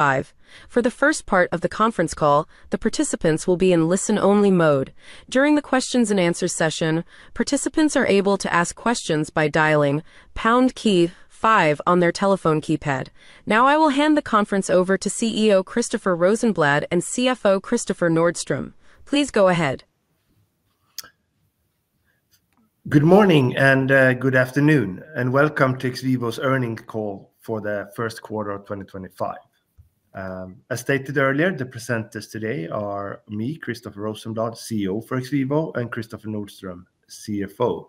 Five. For the first part of the conference call, the participants will be in listen-only mode. During the Q&A session, participants are able to ask questions by dialing #5 on their telephone keypad. Now, I will hand the conference over to CEO Christopher Rosenblad and CFO Christopher Nordstrom. Please go ahead. Good morning and good afternoon, and welcome to XVIVO's earnings call for the first quarter of 2025. As stated earlier, the presenters today are me, Christopher Rosenblad, CEO for XVIVO, and Christopher Nordstrom, CFO.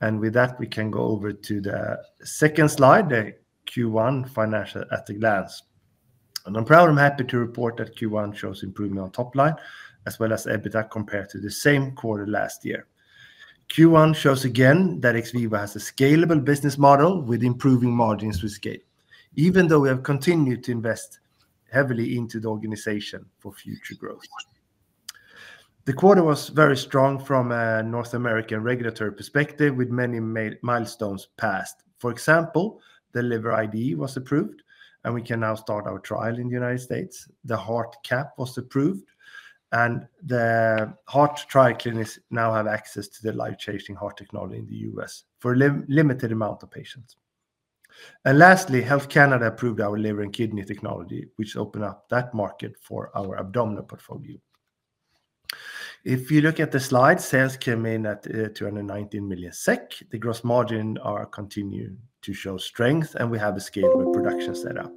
With that, we can go over to the second slide, the Q1 financial at a glance. I'm proud and happy to report that Q1 shows improvement on top line, as well as EBITDA compared to the same quarter last year. Q1 shows again that XVIVO has a scalable business model with improving margins to scale, even though we have continued to invest heavily into the organization for future growth. The quarter was very strong from a North American regulatory perspective, with many milestones passed. For example, the LIVER ID was approved, and we can now start our trial in the United States. The heart CAP was approved, and the heart trial clinics now have access to the life-changing heart technology in the U.S. for a limited amount of patients. Lastly, Health Canada approved our liver and kidney technology, which opened up that market for our abdominal portfolio. If you look at the slide, sales came in at 219 million SEK. The gross margins are continuing to show strength, and we have a scalable production setup.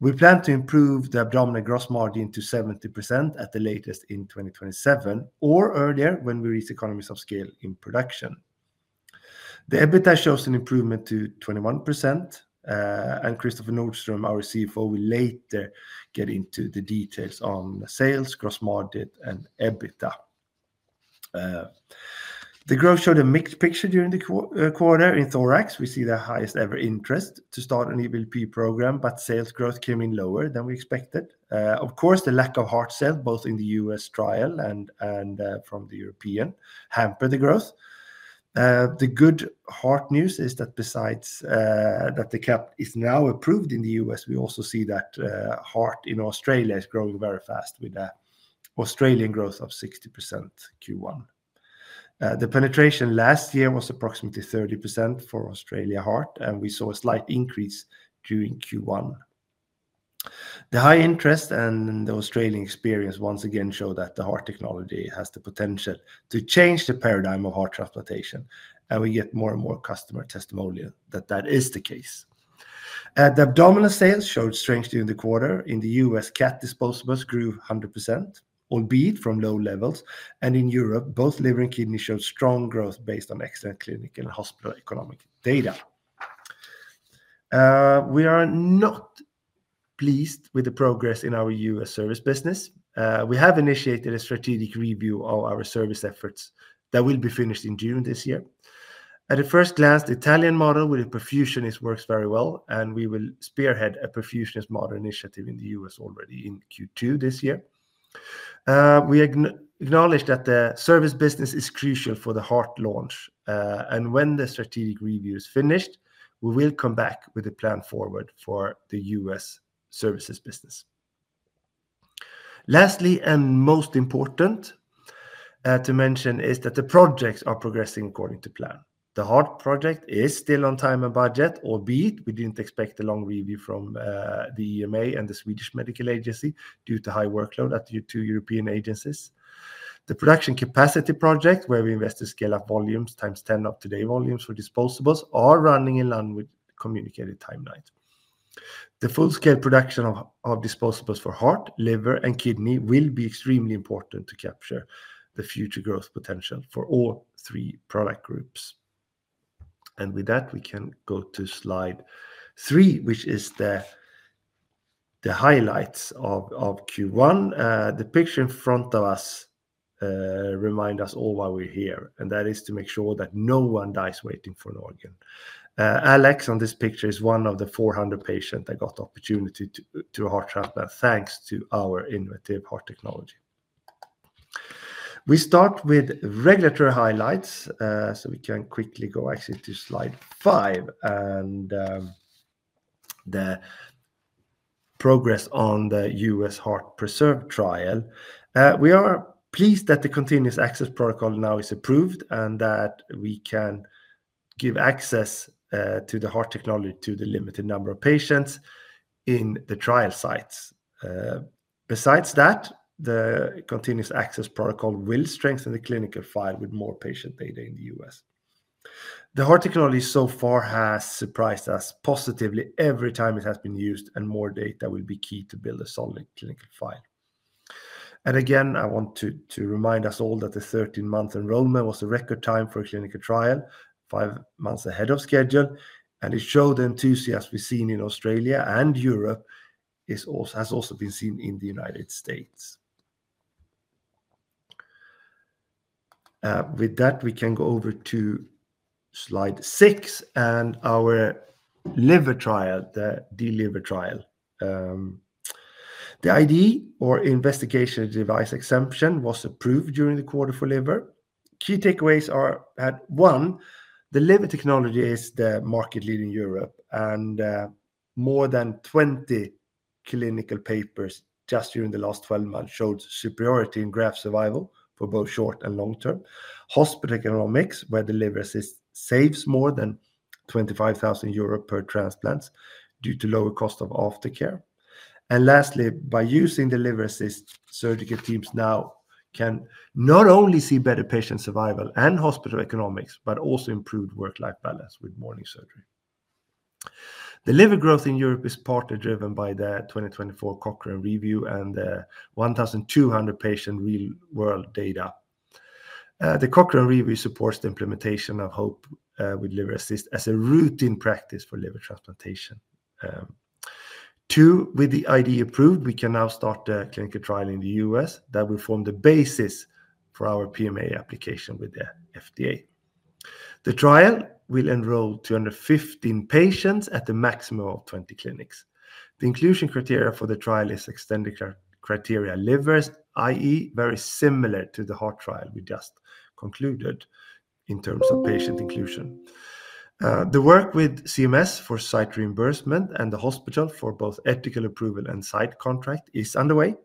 We plan to improve the abdominal gross margin to 70% at the latest in 2027 or earlier when we reach economies of scale in production. The EBITDA shows an improvement to 21%, and Christopher Nordstrom, our CFO, will later get into the details on sales, gross margin, and EBITDA. The growth showed a mixed picture during the quarter. In Thorax, we see the highest-ever interest to start an EBVP program, but sales growth came in lower than we expected. Of course, the lack of heart sales, both in the U.S. trial and from the European, hampered the growth. The good heart news is that besides that the CAP is now approved in the U.S., we also see that heart in Australia is growing very fast, with an Australian growth of 60% Q1. The penetration last year was approximately 30% for Australia heart, and we saw a slight increase during Q1. The high interest and the Australian experience once again show that the heart technology has the potential to change the paradigm of heart transplantation, and we get more and more customer testimonials that that is the case. The abdominal sales showed strength during the quarter. In the U.S., CAT Disposables grew 100%, albeit from low levels, and in Europe, both liver and kidney showed strong growth based on excellent clinical and hospital economic data. We are not pleased with the progress in our U.S. service business. We have initiated a strategic review of our service efforts that will be finished in June this year. At a first glance, the Italian model with the Perfusionist works very well, and we will spearhead a Perfusionist model initiative in the U.S. already in Q2 this year. We acknowledge that the service business is crucial for the heart launch, and when the strategic review is finished, we will come back with a plan forward for the U.S. services business. Lastly, and most important to mention, is that the projects are progressing according to plan. The heart project is still on time and budget, albeit we didn't expect a long review from the EMA and the Swedish Medical Products Agency due to high workload at two European agencies. The production capacity project, where we invest to scale up volumes times 10 of today volumes for disposables, is running in line with communicated timelines. The full-scale production of disposables for heart, liver, and kidney will be extremely important to capture the future growth potential for all three product groups. With that, we can go to slide three, which is the highlights of Q1. The picture in front of us reminds us all why we're here, and that is to make sure that no one dies waiting for an organ. Alex on this picture is one of the 400 patients that got the opportunity to heart transplant thanks to our innovative heart technology. We start with regulatory highlights so we can quickly go actually to slide five and the progress on the US heart preserve trial. We are pleased that the continuous access protocol now is approved and that we can give access to the heart technology to the limited number of patients in the trial sites. Besides that, the continuous access protocol will strengthen the clinical file with more patient data in the US. The heart technology so far has surprised us positively every time it has been used, and more data will be key to build a solid clinical file. I want to remind us all that the 13-month enrollment was a record time for a clinical trial, five months ahead of schedule, and it showed the enthusiasm we've seen in Australia and Europe has also been seen in the United States. With that, we can go over to slide six and our liver trial, the DLIVER trial. The IDE or investigation device exemption was approved during the quarter for liver. Key takeaways are that, one, the liver technology is the market lead in Europe, and more than 20 clinical papers just during the last 12 months showed superiority in graft survival for both short and long term. Hospital economics, where the Liver Assist saves more than 25,000 euro per transplant due to lower cost of aftercare. Lastly, by using the Liver Assist, surgical teams now can not only see better patient survival and hospital economics, but also improve work-life balance with morning surgery. The liver growth in Europe is partly driven by the 2024 Cochrane review and the 1,200 patient real-world data. The Cochrane review supports the implementation of HOPE with Liver Assist as a routine practice for liver transplantation. Two, with the IDE approved, we can now start the clinical trial in the U.S. that will form the basis for our PMA application with the FDA. The trial will enroll 215 patients at a maximum of 20 clinics. The inclusion criteria for the trial is extended criteria livers, i.e., very similar to the heart trial we just concluded in terms of patient inclusion. The work with CMS for site reimbursement and the hospital for both ethical approval and site contract is underway.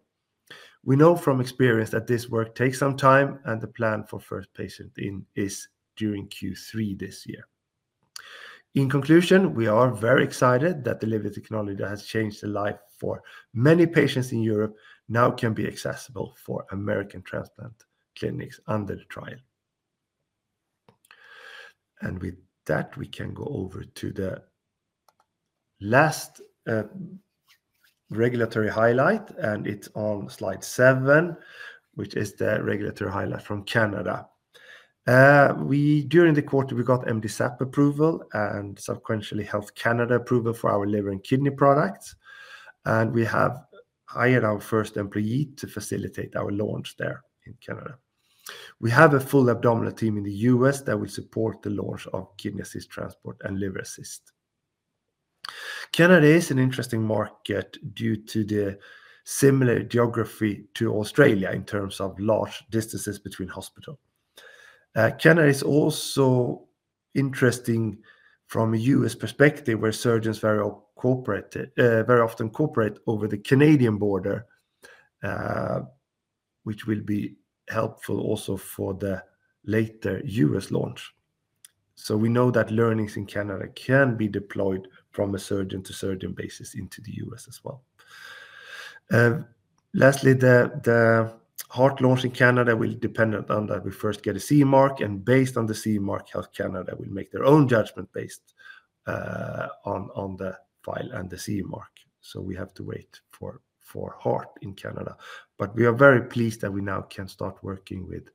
We know from experience that this work takes some time, and the plan for first patient in is during Q3 this year. In conclusion, we are very excited that the liver technology that has changed the life for many patients in Europe now can be accessible for American transplant clinics under the trial. With that, we can go over to the last regulatory highlight, and it is on slide seven, which is the regulatory highlight from Canada. During the quarter, we got MDSAP approval and sequentially Health Canada approval for our liver and kidney products, and we have hired our first employee to facilitate our launch there in Canada. We have a full abdominal team in the US that will support the launch of Kidney Assist Transport and Liver Assist. Canada is an interesting market due to the similar geography to Australia in terms of large distances between hospitals. Canada is also interesting from a US perspective, where surgeons very often cooperate over the Canadian border, which will be helpful also for the later US launch. We know that learnings in Canada can be deployed from a surgeon-to-surgeon basis into the US as well. Lastly, the heart launch in Canada will depend on that we first get a CE mark, and based on the CE mark, Health Canada will make their own judgment based on the file and the CE mark. We have to wait for heart in Canada, but we are very pleased that we now can start working with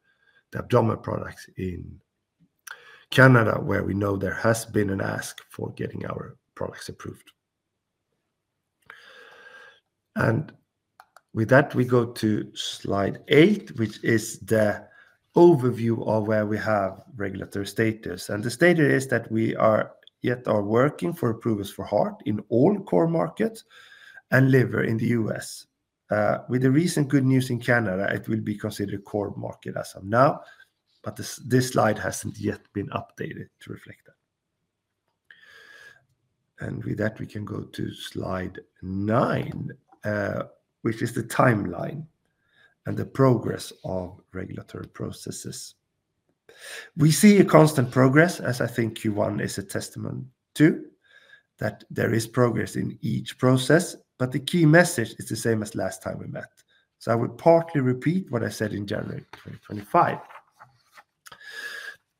the abdominal products in Canada, where we know there has been an ask for getting our products approved. With that, we go to slide eight, which is the overview of where we have regulatory status. The status is that we are yet working for approvals for heart in all core markets and liver in the US. With the recent good news in Canada, it will be considered core market as of now, but this slide has not yet been updated to reflect that. With that, we can go to slide nine, which is the timeline and the progress of regulatory processes. We see a constant progress, as I think Q1 is a testament to that there is progress in each process, but the key message is the same as last time we met. I will partly repeat what I said in January 2025.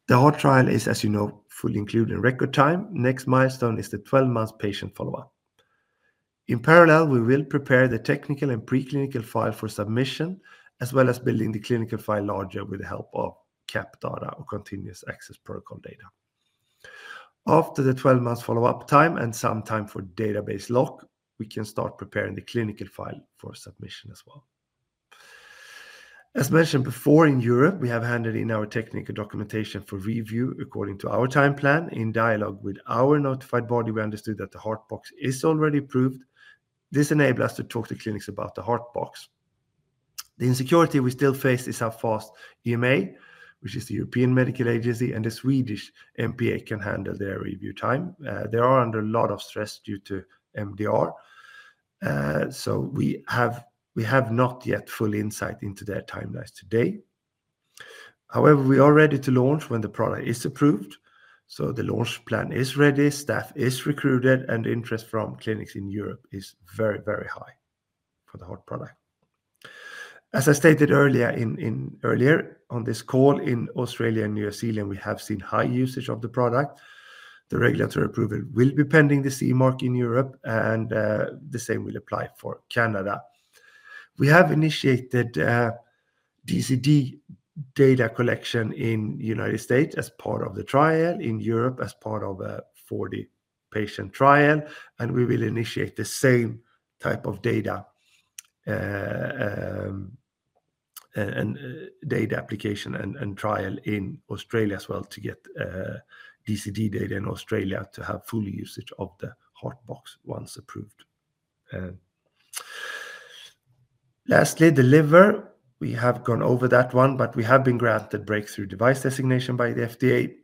The heart trial is, as you know, fully included in record time. Next milestone is the 12-month patient follow-up. In parallel, we will prepare the technical and preclinical file for submission, as well as building the clinical file larger with the help of CAP data or continuous access protocol data. After the 12-month follow-up time and some time for database lock, we can start preparing the clinical file for submission as well. As mentioned before, in Europe, we have handed in our technical documentation for review according to our time plan. In dialogue with our notified body, we understood that the Heart Box is already approved. This enabled us to talk to clinics about the Heart Box. The insecurity we still face is how fast EMA, which is the European Medicines Agency and the Swedish MPA, can handle their review time. They are under a lot of stress due to MDR. We have not yet full insight into their timelines today. However, we are ready to launch when the product is approved. The launch plan is ready, staff is recruited, and interest from clinics in Europe is very, very high for the heart product. As I stated earlier on this call, in Australia and New Zealand, we have seen high usage of the product. The regulatory approval will be pending the CE mark in Europe, and the same will apply for Canada. We have initiated DCD data collection in the United States as part of the trial, in Europe as part of a 40-patient trial, and we will initiate the same type of data and data application and trial in Australia as well to get DCD data in Australia to have full usage of the Heart Box once approved. Lastly, the liver, we have gone over that one, but we have been granted breakthrough device designation by the FDA.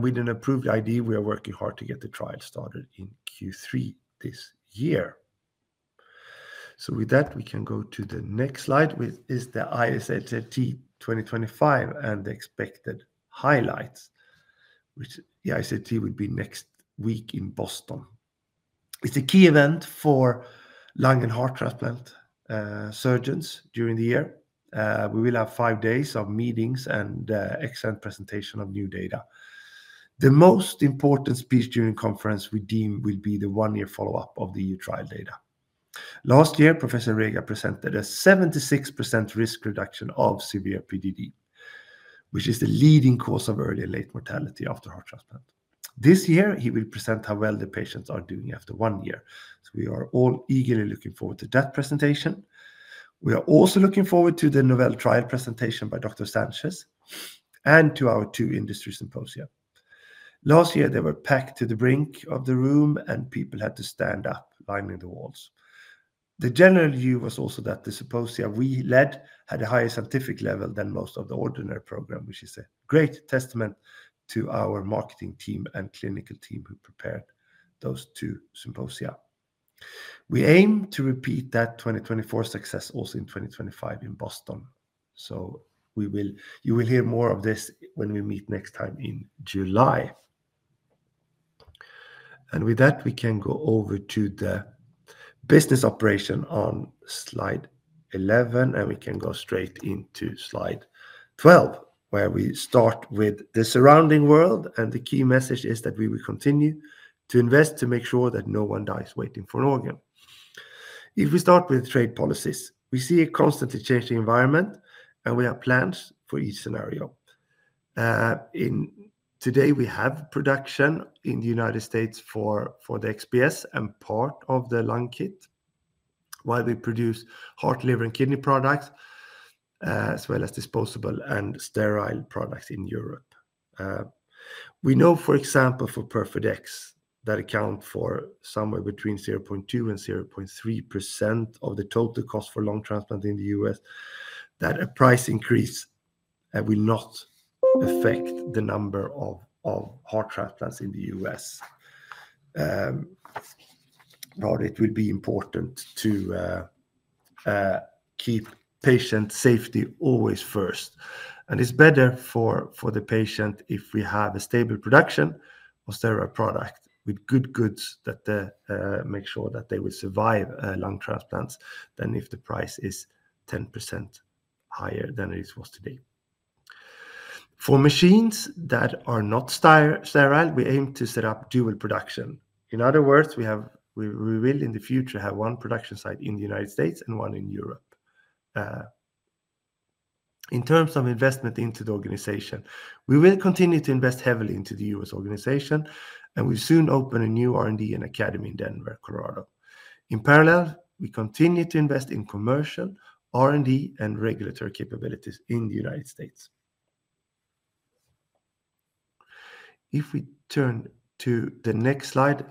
With an approved IDE, we are working hard to get the trial started in Q3 this year. With that, we can go to the next slide, which is the ISAT 2025 and the expected highlights, which the ISAT would be next week in Boston. It's a key event for lung and heart transplant surgeons during the year. We will have five days of meetings and excellent presentation of new data. The most important speech during conference we deem will be the one-year follow-up of the EU trial data. Last year, Professor Regar presented a 76% risk reduction of severe PDD, which is the leading cause of early and late mortality after heart transplant. This year, he will present how well the patients are doing after one year. We are all eagerly looking forward to that presentation. We are also looking forward to the Nobel trial presentation by Dr. Sanchez and to our two industry symposia. Last year, they were packed to the brink of the room, and people had to stand up lining the walls. The general view was also that the symposia we led had a higher scientific level than most of the ordinary program, which is a great testament to our marketing team and clinical team who prepared those two symposia. We aim to repeat that 2024 success also in 2025 in Boston. You will hear more of this when we meet next time in July. With that, we can go over to the business operation on slide 11, and we can go straight into slide 12, where we start with the surrounding world. The key message is that we will continue to invest to make sure that no one dies waiting for an organ. If we start with trade policies, we see a constantly changing environment, and we have plans for each scenario. Today, we have production in the United States for the XPS and part of the lung kit while we produce heart, liver, and kidney products, as well as disposable and sterile products in Europe. We know, for example, for PerfidX that accounts for somewhere between 0.2% and 0.3% of the total cost for lung transplant in the US, that a price increase will not affect the number of heart transplants in the US. It will be important to keep patient safety always first. It is better for the patient if we have a stable production of sterile product with good goods that make sure that they will survive lung transplants than if the price is 10% higher than it was today. For machines that are not sterile, we aim to set up dual production. In other words, we will in the future have one production site in the United States and one in Europe. In terms of investment into the organization, we will continue to invest heavily into the US organization, and we'll soon open a new R&D and academy in Denver, Colorado. In parallel, we continue to invest in commercial R&D and regulatory capabilities in the United States. If we turn to the next slide,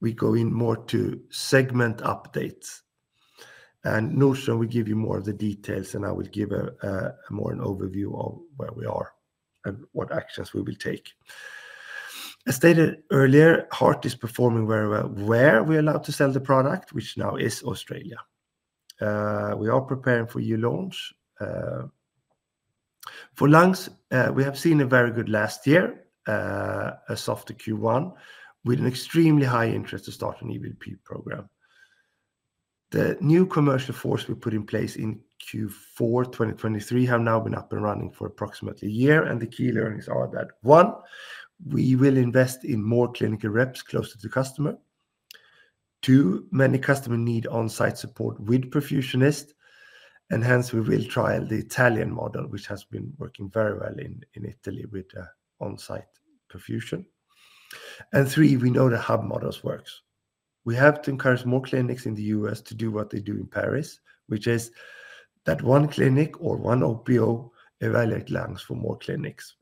we go in more to segment updates. No sooner we give you more of the details, and I will give more of an overview of where we are and what actions we will take. As stated earlier, heart is performing very well where we're allowed to sell the product, which now is Australia. We are preparing for EU launch. For lungs, we have seen a very good last year, a softer Q1 with an extremely high interest to start an EVLP program. The new commercial force we put in place in Q4 2023 have now been up and running for approximately a year, and the key learnings are that, one, we will invest in more clinical reps closer to the customer. Two, many customers need on-site support with perfusionists, and hence we will trial the Italian model, which has been working very well in Italy with on-site perfusion. Three, we know the hub models work. We have to encourage more clinics in the U.S. to do what they do in Paris, which is that one clinic or one OPO evaluate lungs for more clinics.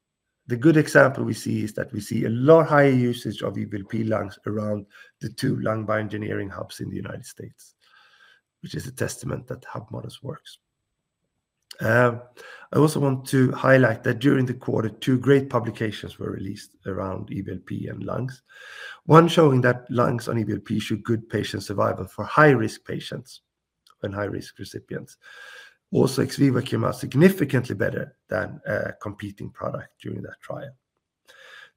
The good example we see is that we see a lot higher usage of EVLP lungs around the two lung bioengineering hubs in the United States, which is a testament that hub models work. I also want to highlight that during the quarter, two great publications were released around EVLP and lungs, one showing that lungs on EVLP show good patient survival for high-risk patients and high-risk recipients. Also, XVIVO came out significantly better than a competing product during that trial.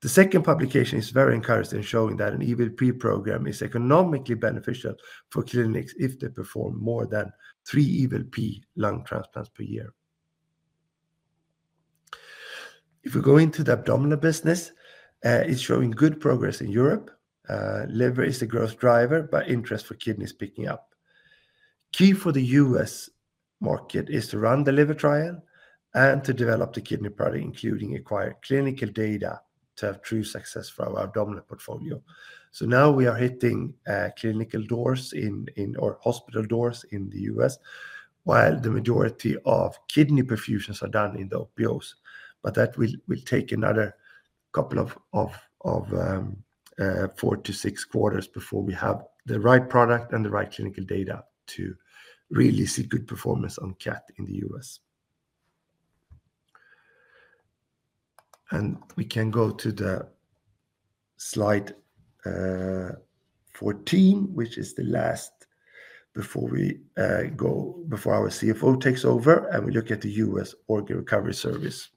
The second publication is very encouraging in showing that an EVLP program is economically beneficial for clinics if they perform more than three EVLP lung transplants per year. If we go into the abdominal business, it is showing good progress in Europe. Liver is a growth driver, but interest for kidneys is picking up. Key for the U.S. market is to run the liver trial and to develop the kidney product, including acquired clinical data to have true success for our abdominal portfolio. Now we are hitting clinical doors or hospital doors in the U.S., while the majority of kidney perfusions are done in the OPOs. That will take another four to six quarters before we have the right product and the right clinical data to really see good performance on CAT in the U.S. We can go to slide 14, which is the last before our CFO takes over, and we look at the U.S. organ recovery service.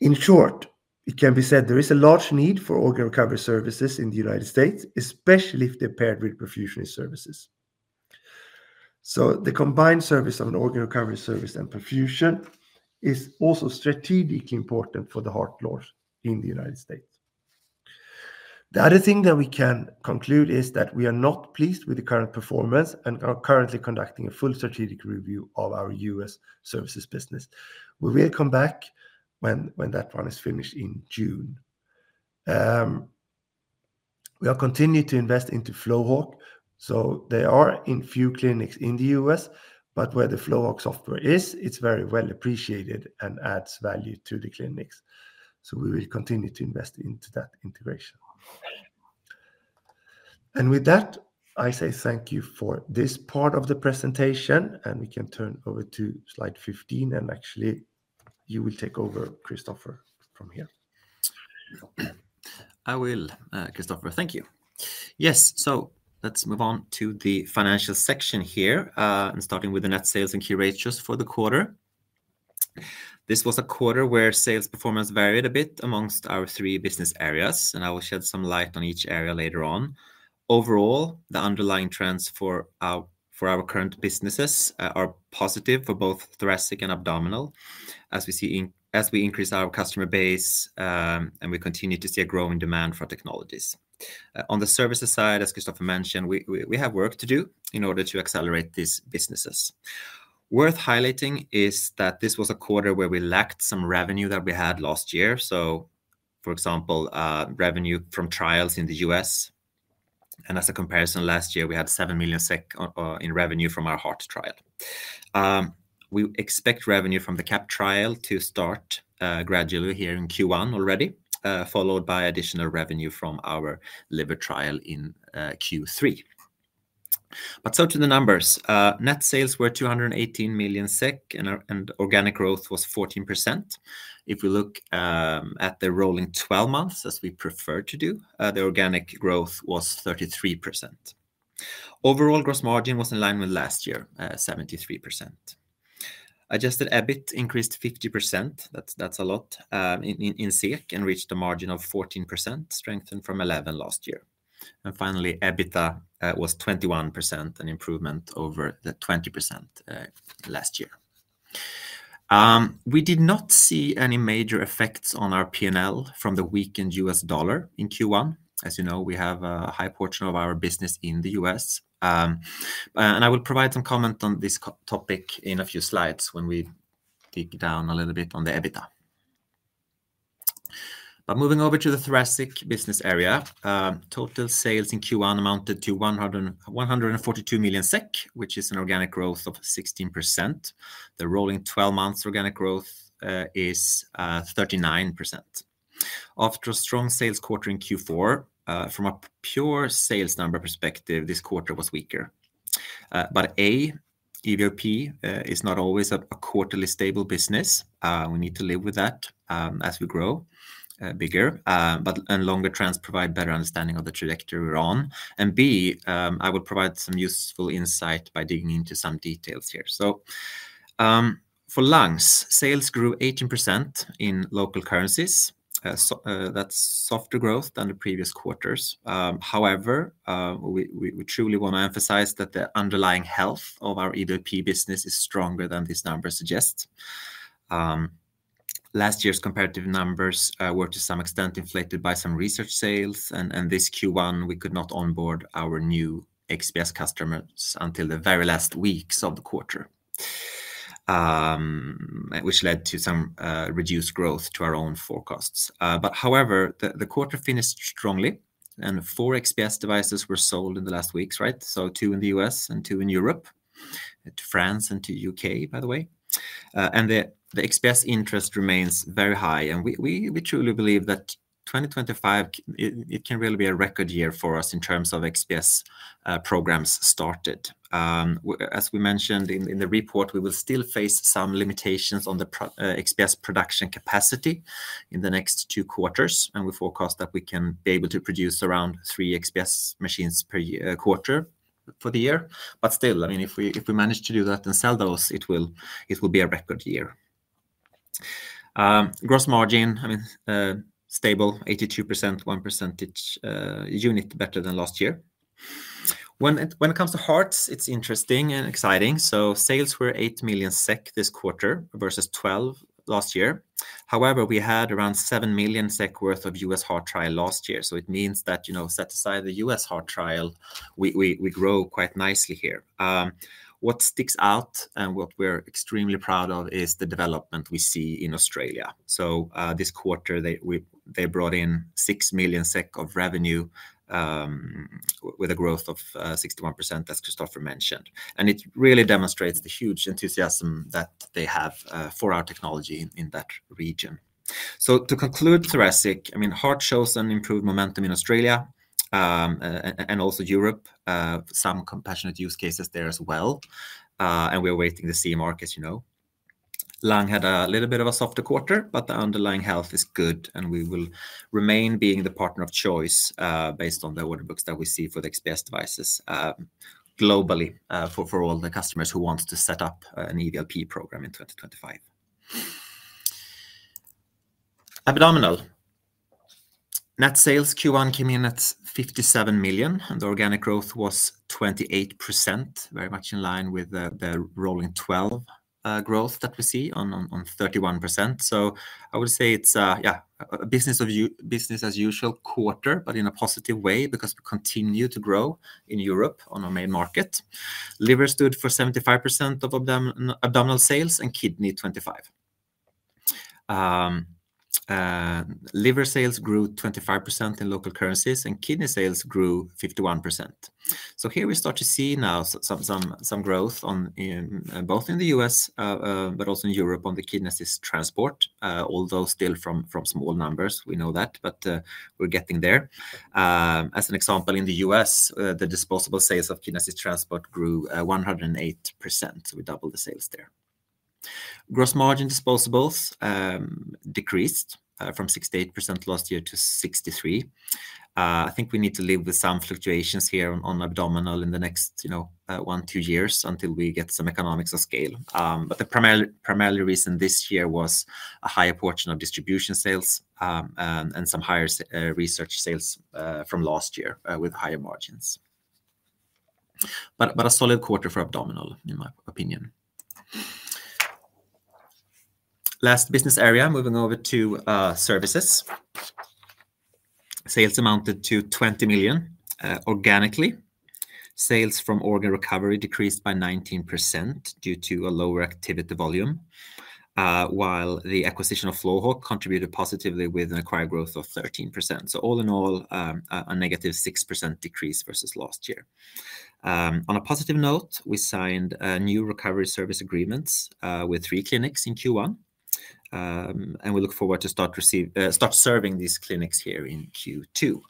In short, it can be said there is a large need for organ recovery services in the United States, especially if they're paired with perfusionist services. The combined service of an organ recovery service and perfusion is also strategically important for the heart launch in the United States. The other thing that we can conclude is that we are not pleased with the current performance and are currently conducting a full strategic review of our US services business. We will come back when that one is finished in June. We are continuing to invest into FlowHawk. There are a few clinics in the US where the FlowHawk software is, it's very well appreciated and adds value to the clinics. We will continue to invest into that integration. With that, I say thank you for this part of the presentation, and we can turn over to slide 15. Actually, you will take over, Christopher, from here. I will, Christopher. Thank you. Yes, so let's move on to the financial section here and starting with the net sales and Q rates just for the quarter. This was a quarter where sales performance varied a bit amongst our three business areas, and I will shed some light on each area later on. Overall, the underlying trends for our current businesses are positive for both thoracic and abdominal as we increase our customer base and we continue to see a growing demand for technologies. On the services side, as Christopher mentioned, we have work to do in order to accelerate these businesses. Worth highlighting is that this was a quarter where we lacked some revenue that we had last year. For example, revenue from trials in the US. As a comparison, last year, we had $7 million in revenue from our heart trial. We expect revenue from the CAP trial to start gradually here in Q1 already, followed by additional revenue from our liver trial in Q3. To the numbers, net sales were 218 million SEK and organic growth was 14%. If we look at the rolling 12 months, as we prefer to do, the organic growth was 33%. Overall gross margin was in line with last year, 73%. Adjusted EBIT increased 50%. That is a lot in SIC and reached a margin of 14%, strengthened from 11% last year. Finally, EBITDA was 21%, an improvement over the 20% last year. We did not see any major effects on our P&L from the weakened US dollar in Q1. As you know, we have a high portion of our business in the US. I will provide some comment on this topic in a few slides when we dig down a little bit on the EBITDA. Moving over to the thoracic business area, total sales in Q1 amounted to 142 million SEK, which is an organic growth of 16%. The rolling 12 months organic growth is 39%. After a strong sales quarter in Q4, from a pure sales number perspective, this quarter was weaker. EVP is not always a quarterly stable business. We need to live with that as we grow bigger, but longer trends provide a better understanding of the trajectory we're on. I will provide some useful insight by digging into some details here. For lungs, sales grew 18% in local currencies. That's softer growth than the previous quarters. However, we truly want to emphasize that the underlying health of our EVP business is stronger than these numbers suggest. Last year's comparative numbers were to some extent inflated by some research sales. This Q1, we could not onboard our new XPS customers until the very last weeks of the quarter, which led to some reduced growth to our own forecasts. However, the quarter finished strongly, and four XPS devices were sold in the last weeks, right? Two in the U.S. and two in Europe, to France and to the U.K., by the way. The XPS interest remains very high. We truly believe that 2025, it can really be a record year for us in terms of XPS programs started. As we mentioned in the report, we will still face some limitations on the XPS production capacity in the next two quarters. We forecast that we can be able to produce around three XPS machines per quarter for the year. If we manage to do that and sell those, it will be a record year. Gross margin, I mean, stable, 82%, one percentage point better than last year. When it comes to hearts, it's interesting and exciting. Sales were 8 million SEK this quarter versus 12 million last year. However, we had around 7 million SEK worth of U.S. heart trial last year. It means that, you know, set aside the U.S. heart trial, we grow quite nicely here. What sticks out and what we're extremely proud of is the development we see in Australia. This quarter, they brought in 6 million SEK of revenue with a growth of 61%, as Christopher mentioned. It really demonstrates the huge enthusiasm that they have for our technology in that region. To conclude thoracic, I mean, heart shows an improved momentum in Australia and also Europe, some compassionate use cases there as well. We are awaiting the CE mark, you know. Lung had a little bit of a softer quarter, but the underlying health is good, and we will remain being the partner of choice based on the order books that we see for the XPS devices globally for all the customers who want to set up an EVLP program in 2025. Abdominal. Net sales Q1 came in at 57 million, and the organic growth was 28%, very much in line with the rolling 12 growth that we see on 31%. I would say it's a business as usual quarter, but in a positive way because we continue to grow in Europe on our main market. Liver stood for 75% of abdominal sales and kidney 25%. Liver sales grew 25% in local currencies and kidney sales grew 51%. Here we start to see now some growth both in the U.S., but also in Europe on the kidney transport, although still from small numbers. We know that, but we're getting there. As an example, in the U.S., the disposable sales of kidney transport grew 108%. We doubled the sales there. Gross margin disposables decreased from 68% last year to 63%. I think we need to live with some fluctuations here on abdominal in the next one to two years until we get some economics of scale. The primary reason this year was a higher portion of distribution sales and some higher research sales from last year with higher margins. A solid quarter for abdominal, in my opinion. Last business area, moving over to services. Sales amounted to 20 million organically. Sales from organ recovery decreased by 19% due to a lower activity volume, while the acquisition of FlowHawk contributed positively with an acquired growth of 13%. All in all, a negative 6% decrease versus last year. On a positive note, we signed new recovery service agreements with three clinics in Q1, and we look forward to start serving these clinics here in Q2.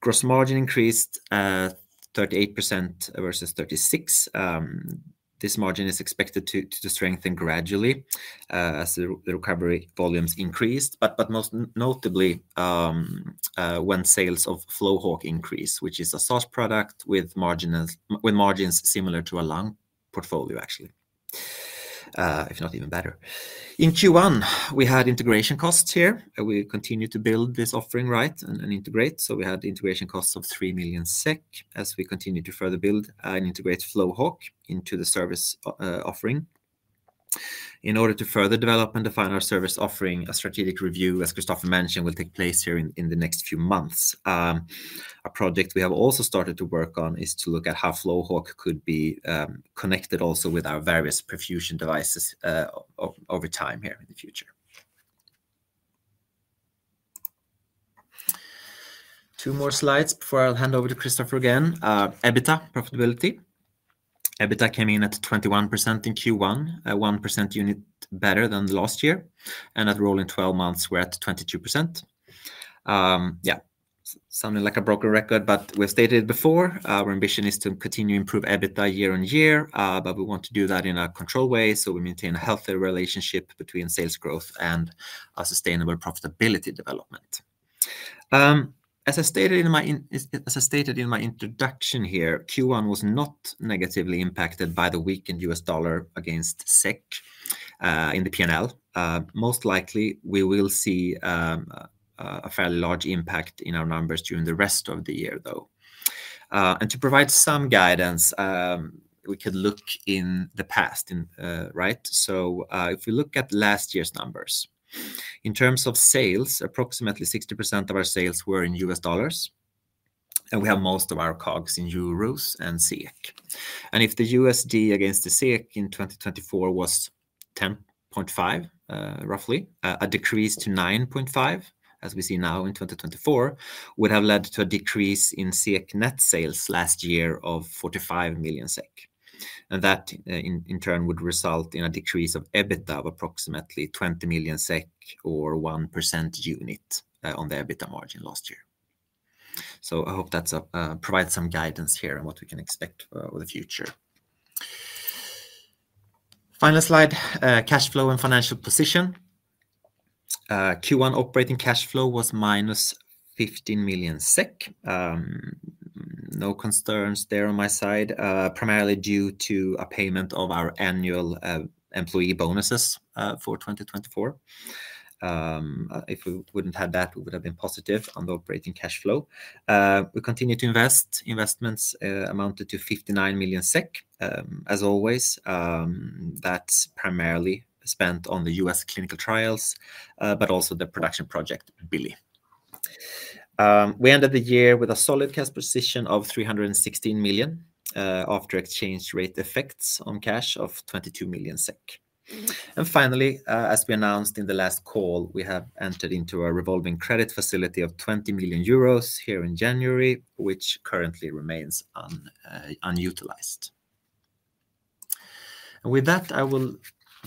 Gross margin increased to 38% versus 36%. This margin is expected to strengthen gradually as the recovery volumes increased, but most notably when sales of FlowHawk increase, which is a soft product with margins similar to a lung portfolio, actually, if not even better. In Q1, we had integration costs here. We continue to build this offering, right, and integrate. We had integration costs of 3 million SEK as we continue to further build and integrate FlowHawk into the service offering. In order to further develop and define our service offering, a strategic review, as Christopher mentioned, will take place here in the next few months. A project we have also started to work on is to look at how FlowHawk could be connected also with our various perfusion devices over time here in the future. Two more slides before I'll hand over to Christopher again. EBITDA, profitability. EBITDA came in at 21% in Q1, 1% unit better than last year. At rolling 12 months, we're at 22%. Yeah, sounding like a broken record, but we've stated it before. Our ambition is to continue to improve EBITDA year on year, but we want to do that in a controlled way so we maintain a healthy relationship between sales growth and sustainable profitability development. As I stated in my introduction here, Q1 was not negatively impacted by the weakened US dollar against SEK in the P&L. Most likely, we will see a fairly large impact in our numbers during the rest of the year, though. To provide some guidance, we could look in the past, right? If we look at last year's numbers, in terms of sales, approximately 60% of our sales were in US dollars. We have most of our COGS in euros and SEK. If the USD against the SEK in 2024 was 10.5, roughly, a decrease to 9.5, as we see now in 2024, would have led to a decrease in SEK net sales last year of 45 million SEK. That, in turn, would result in a decrease of EBITDA of approximately 20 million SEK or 1% unit on the EBITDA margin last year. I hope that provides some guidance here on what we can expect for the future. Final slide, cash flow and financial position. Q1 operating cash flow was minus 15 million SEK. No concerns there on my side, primarily due to a payment of our annual employee bonuses for 2024. If we would not have that, we would have been positive on the operating cash flow. We continue to invest. Investments amounted to 59 million SEK, as always. That is primarily spent on the U.S. clinical trials, but also the production project BILI. We ended the year with a solid cash position of 316 million after exchange rate effects on cash of 22 million SEK. Finally, as we announced in the last call, we have entered into a revolving credit facility of 20 million euros here in January, which currently remains unutilized. With that, I will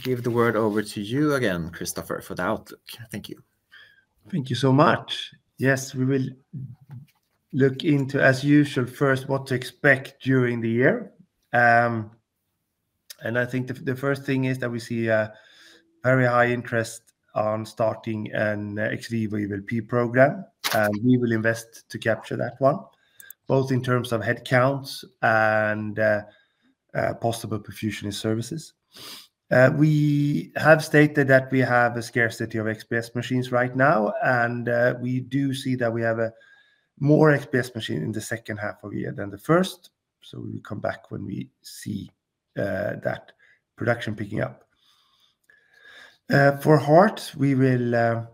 give the word over to you again, Christopher, for the outlook. Thank you. Thank you so much. Yes, we will look into, as usual, first what to expect during the year. I think the first thing is that we see a very high interest on starting an EVLP program. We will invest to capture that one, both in terms of head counts and possible perfusion services. We have stated that we have a scarcity of XPS machines right now, and we do see that we have more XPS machines in the second half of the year than the first. We will come back when we see that production picking up. For heart, we will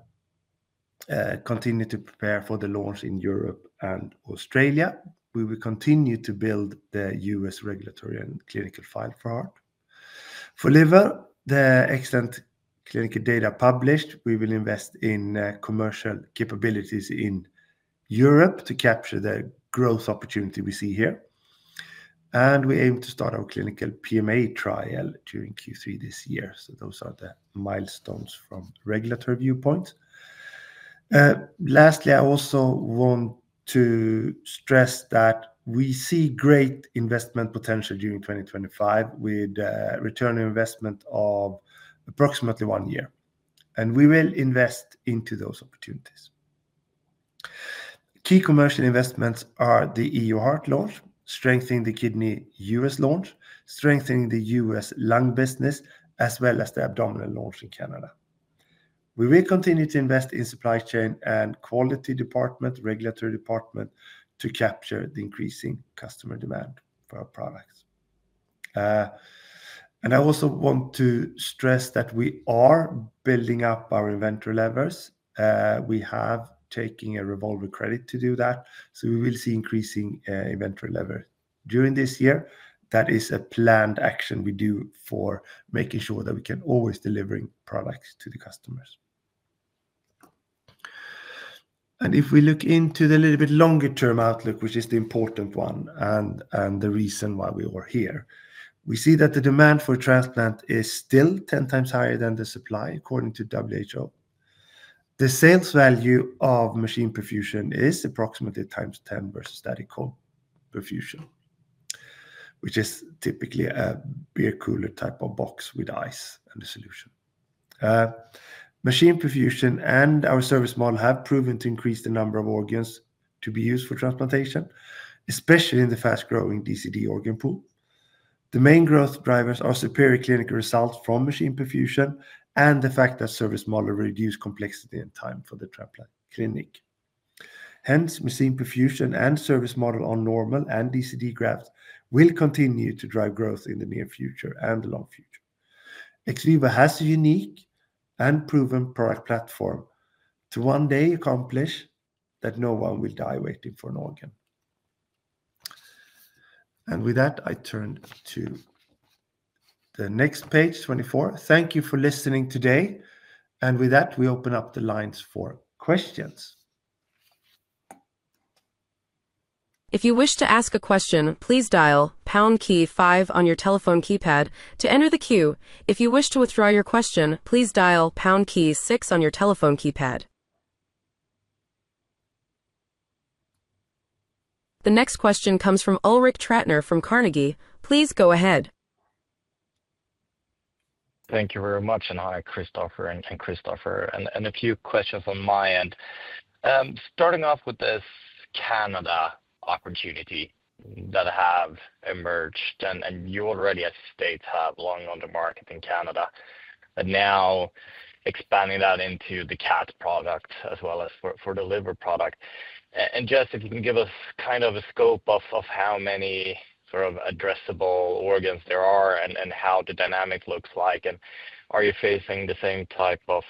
continue to prepare for the launch in Europe and Australia. We will continue to build the US regulatory and clinical file for heart. For liver, the extant clinical data published, we will invest in commercial capabilities in Europe to capture the growth opportunity we see here. We aim to start our clinical PMA trial during Q3 this year. Those are the milestones from regulatory viewpoints. Lastly, I also want to stress that we see great investment potential during 2025 with a return on investment of approximately one year. We will invest into those opportunities. Key commercial investments are the EU heart launch, strengthening the kidney US launch, strengthening the US lung business, as well as the abdominal launch in Canada. We will continue to invest in supply chain and quality department, regulatory department to capture the increasing customer demand for our products. I also want to stress that we are building up our inventory levers. We have taken a revolver credit to do that. We will see increasing inventory lever during this year. That is a planned action we do for making sure that we can always deliver products to the customers. If we look into the little bit longer-term outlook, which is the important one and the reason why we were here, we see that the demand for transplant is still 10 times higher than the supply, according to WHO. The sales value of machine perfusion is approximately times 10 versus that of perfusion, which is typically a beer cooler type of box with ice and a solution. Machine perfusion and our service model have proven to increase the number of organs to be used for transplantation, especially in the fast-growing DCD organ pool. The main growth drivers are superior clinical results from machine perfusion and the fact that service models reduce complexity and time for the transplant clinic. Hence, machine perfusion and service model on normal and DCD grafts will continue to drive growth in the near future and the long future. XVIVO has a unique and proven product platform to one day accomplish that no one will die waiting for an organ. With that, I turn to the next page, 24. Thank you for listening today. With that, we open up the lines for questions. If you wish to ask a question, please dial pound key five on your telephone keypad to enter the queue. If you wish to withdraw your question, please dial pound key six on your telephone keypad. The next question comes from Ulrich Trattner from Carnegie. Please go ahead. Thank you very much. Hi, Christopher and Christopher. A few questions on my end. Starting off with this Canada opportunity that have emerged, and you already as a state have Lung on the market in Canada, and now expanding that into the CAT product as well as for the Liver product. Jess, if you can give us kind of a scope of how many sort of addressable organs there are and how the dynamic looks like. Are you facing the same type of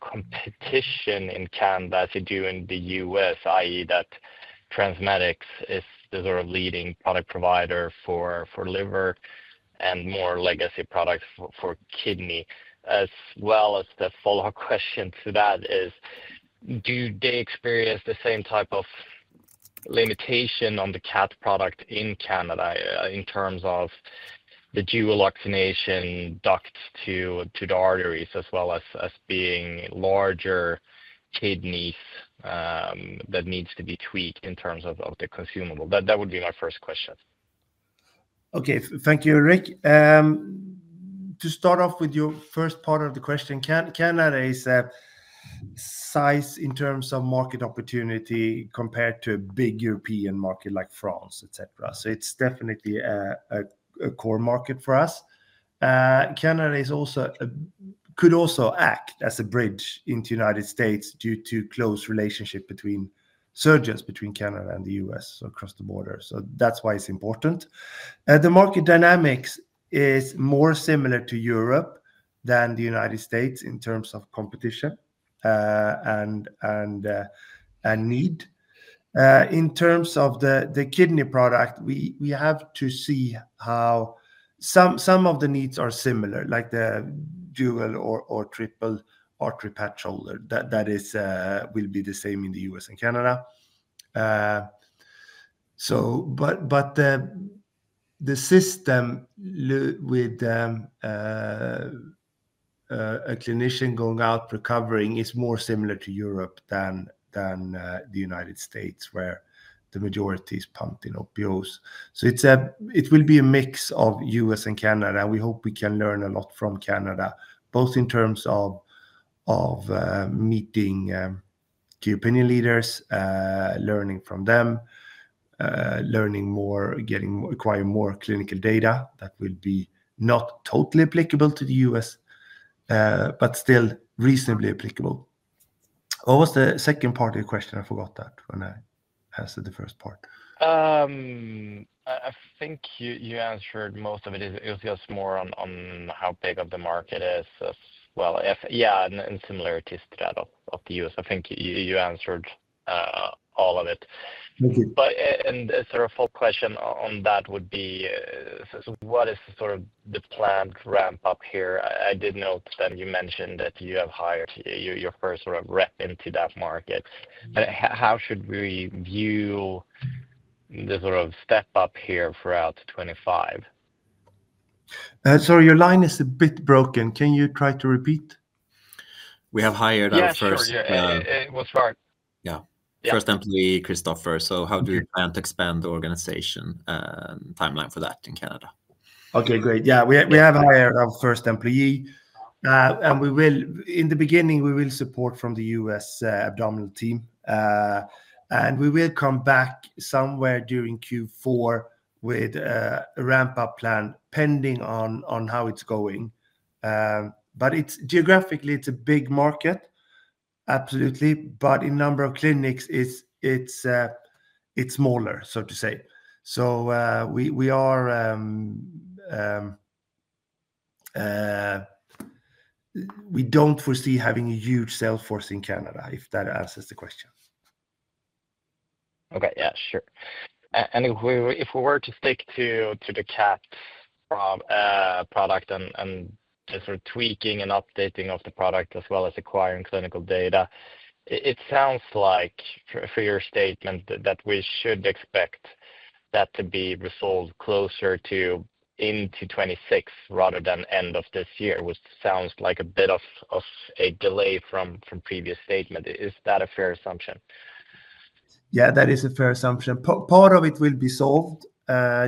competition in Canada as you do in the US, i.e., that TransMedics is the sort of leading product provider for liver and more legacy products for kidney? The follow-up question to that is, do they experience the same type of limitation on the CAT product in Canada in terms of the dual oxygenation ducts to the arteries as well as being larger kidneys that need to be tweaked in terms of the consumable? That would be my first question. Thank you, Ulrich. To start off with your first part of the question, Canada is a size in terms of market opportunity compared to a big European market like France, etc. It is definitely a core market for us. Canada could also act as a bridge into the United States due to close relationships between surgeons between Canada and the U.S. across the border. That is why it is important. The market dynamics is more similar to Europe than the United States in terms of competition and need. In terms of the kidney product, we have to see how some of the needs are similar, like the dual or triple artery patch holder that will be the same in the U.S. and Canada. The system with a clinician going out recovering is more similar to Europe than the United States, where the majority is pumped in OPOs. It will be a mix of U.S. and Canada. We hope we can learn a lot from Canada, both in terms of meeting key opinion leaders, learning from them, learning more, acquiring more clinical data that will be not totally applicable to the US, but still reasonably applicable. What was the second part of your question? I forgot that when I answered the first part. I think you answered most of it. It was more on how big the market is as well. Yeah, and similarities to that of the US. I think you answered all of it. A sort of follow-up question on that would be, what is the planned ramp-up here? I did note that you mentioned that you have hired your first rep into that market. How should we view the step-up here throughout 2025? Sorry, your line is a bit broken. Can you try to repeat? We have hired our first. Yeah, sure. Yeah, it was hard. Yeah. First employee, Christopher. How do you plan to expand the organization timeline for that in Canada? Okay, great. Yeah, we have hired our first employee. In the beginning, we will support from the US abdominal team. We will come back somewhere during Q4 with a ramp-up plan pending on how it's going. Geographically, it's a big market, absolutely. In number of clinics, it's smaller, so to say. We do not foresee having a huge sales force in Canada, if that answers the question. Okay, yeah, sure. If we were to stick to the CAT product and sort of tweaking and updating of the product as well as acquiring clinical data, it sounds like from your statement that we should expect that to be resolved closer to into 2026 rather than end of this year, which sounds like a bit of a delay from previous statement. Is that a fair assumption? Yeah, that is a fair assumption. Part of it will be solved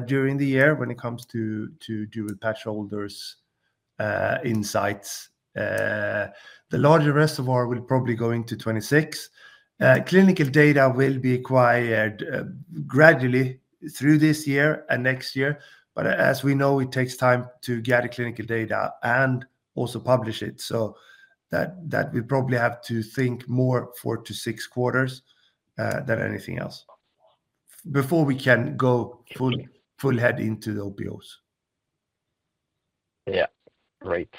during the year when it comes to dual patch holders insights. The larger rest of it will probably go into 2026. Clinical data will be acquired gradually through this year and next year. As we know, it takes time to get clinical data and also publish it. We probably have to think more four to six quarters than anything else before we can go full head into the OPOs. Yeah, great.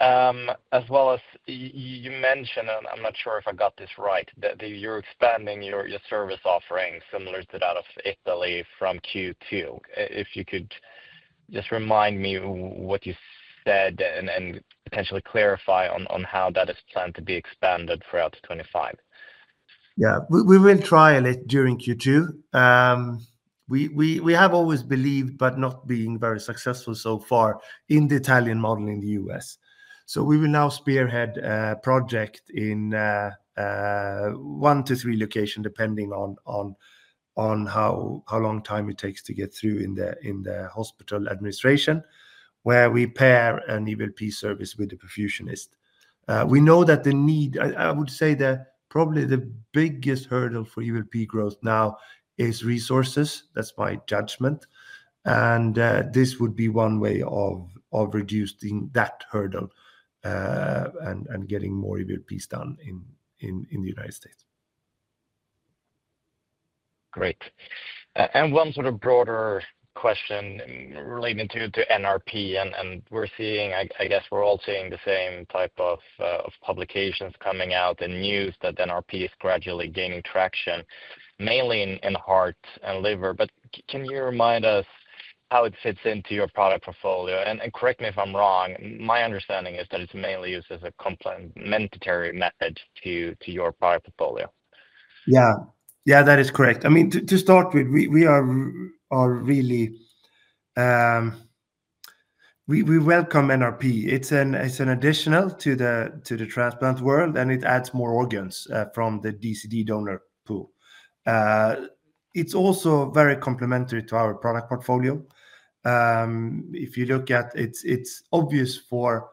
As well as you mentioned, and I'm not sure if I got this right, that you're expanding your service offering similar to that of Italy from Q2. If you could just remind me what you said and potentially clarify on how that is planned to be expanded throughout 2025. Yeah, we will trial it during Q2. We have always believed, but not being very successful so far in the Italian model in the US. We will now spearhead a project in one to three locations, depending on how long time it takes to get through in the hospital administration, where we pair an EVLP service with the perfusionist. We know that the need, I would say probably the biggest hurdle for EVLP growth now is resources. That's my judgment. This would be one way of reducing that hurdle and getting more EVLPs done in the United States. Great. One sort of broader question relating to NRP. We're seeing, I guess we're all seeing the same type of publications coming out and news that NRP is gradually gaining traction, mainly in heart and liver. Can you remind us how it fits into your product portfolio? Correct me if I'm wrong. My understanding is that it's mainly used as a complementary method to your product portfolio. Yeah, yeah, that is correct. I mean, to start with, we really welcome NRP. It's an additional to the transplant world, and it adds more organs from the DCD donor pool. It's also very complementary to our product portfolio. If you look at it, it's obvious for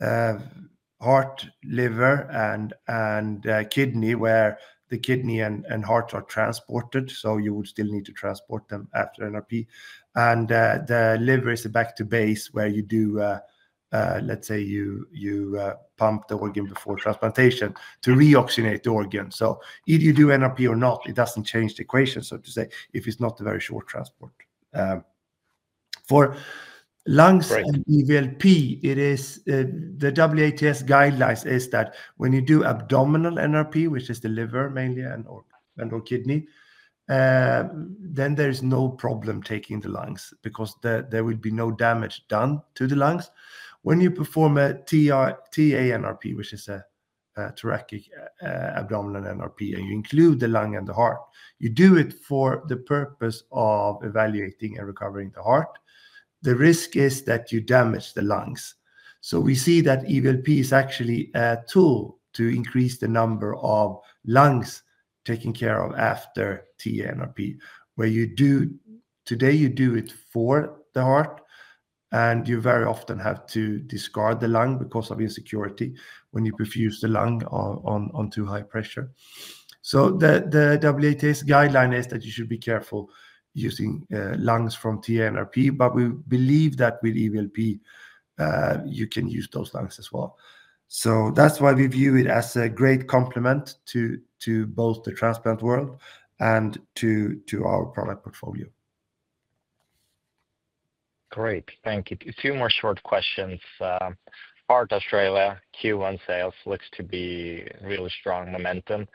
heart, liver, and kidney, where the kidney and heart are transported. You would still need to transport them after NRP. The liver is a back-to-base where you do, let's say, you pump the organ before transplantation to re-oxygenate the organ. Either you do NRP or not, it doesn't change the equation, so to say, if it's not a very short transport. For lungs and EVLP, the WATS guidelines is that when you do abdominal NRP, which is the liver mainly and/or kidney, then there is no problem taking the lungs because there will be no damage done to the lungs. When you perform a TANRP, which is a thoracic abdominal NRP, and you include the lung and the heart, you do it for the purpose of evaluating and recovering the heart. The risk is that you damage the lungs. We see that EVLP is actually a tool to increase the number of lungs taken care of after TANRP, where today you do it for the heart, and you very often have to discard the lung because of insecurity when you perfuse the lung on too high pressure. The WATS guideline is that you should be careful using lungs from TANRP, but we believe that with EVLP, you can use those lungs as well. That is why we view it as a great complement to both the transplant world and to our product portfolio. Great. Thank you. A few more short questions. Heart Australia, Q1 sales looks to be really strong momentum.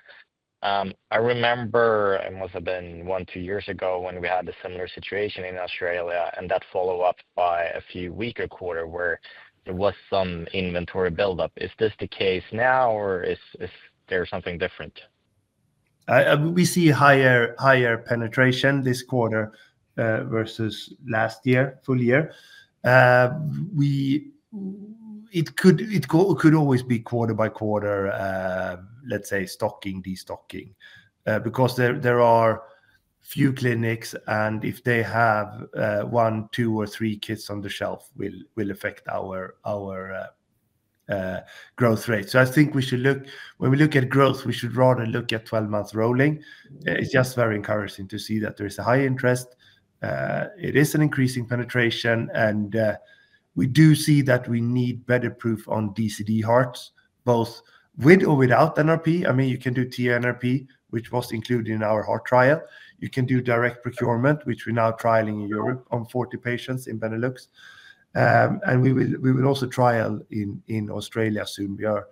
I remember it must have been one, two years ago when we had a similar situation in Australia and that follow-up by a few weeks or quarter where there was some inventory buildup. Is this the case now, or is there something different? We see higher penetration this quarter versus last year, full year. It could always be quarter by quarter, let's say, stocking, destocking, because there are few clinics, and if they have one, two, or three kits on the shelf, it will affect our growth rate. I think when we look at growth, we should rather look at 12-month rolling. It's just very encouraging to see that there is a high interest. It is an increasing penetration, and we do see that we need better proof on DCD hearts, both with or without NRP. I mean, you can do TANRP, which was included in our heart trial. You can do direct procurement, which we're now trialing in Europe on 40 patients in Benelux. We will also trial in Australia. We are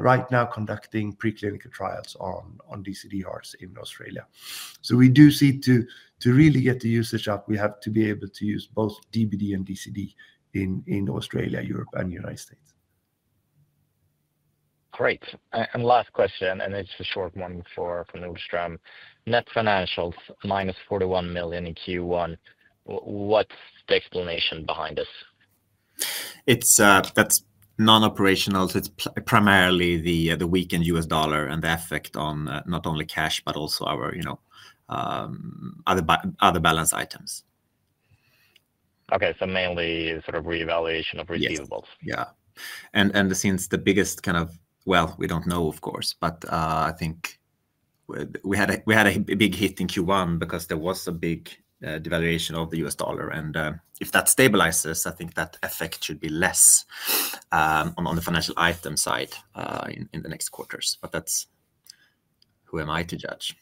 right now conducting preclinical trials on DCD hearts in Australia. We do see to really get the usage up, we have to be able to use both DBD and DCD in Australia, Europe, and the United States. Great. Last question, and it is a short one from the Ulfström. Net financials, minus 41 million in Q1. What is the explanation behind this? That is non-operational. It is primarily the weakened US dollar and the effect on not only cash, but also our other balance items. Okay, so mainly sort of re-evaluation of receivables. Yeah. Since the biggest kind of, well, we do not know, of course, but I think we had a big hit in Q1 because there was a big devaluation of the US dollar. If that stabilizes, I think that effect should be less on the financial item side in the next quarters. That is, who am I to judge?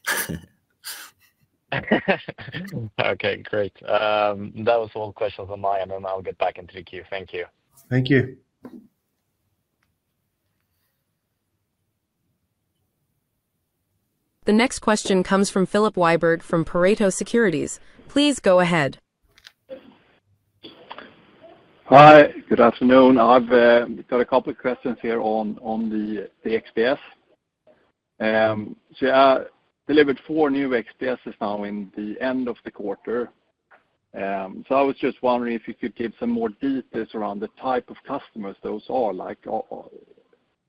Okay, great. That was all questions on my end. I will get back in three Q. Thank you. Thank you. The next question comes from Philip Wybird from Pareto Securities. Please go ahead. Hi, good afternoon. I have got a couple of questions here on the XPS. I delivered four new XPSs now at the end of the quarter. I was just wondering if you could give some more details around the type of customers those are, like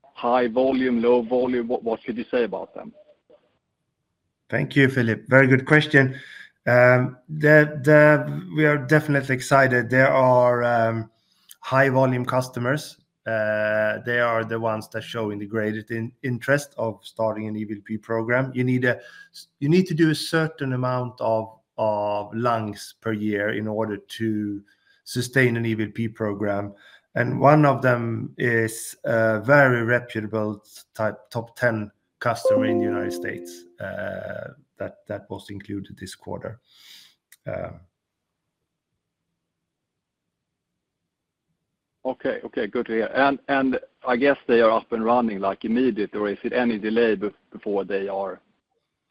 high volume, low volume, what could you say about them? Thank you, Philip. Very good question. We are definitely excited. They are high-volume customers. They are the ones that show the greatest interest in starting an EVLP program. You need to do a certain amount of lungs per year in order to sustain an EVLP program. One of them is a very reputable top 10 customer in the United States that was included this quarter. Okay, okay. Good to hear. I guess they are up and running immediately, or is it any delay before they are?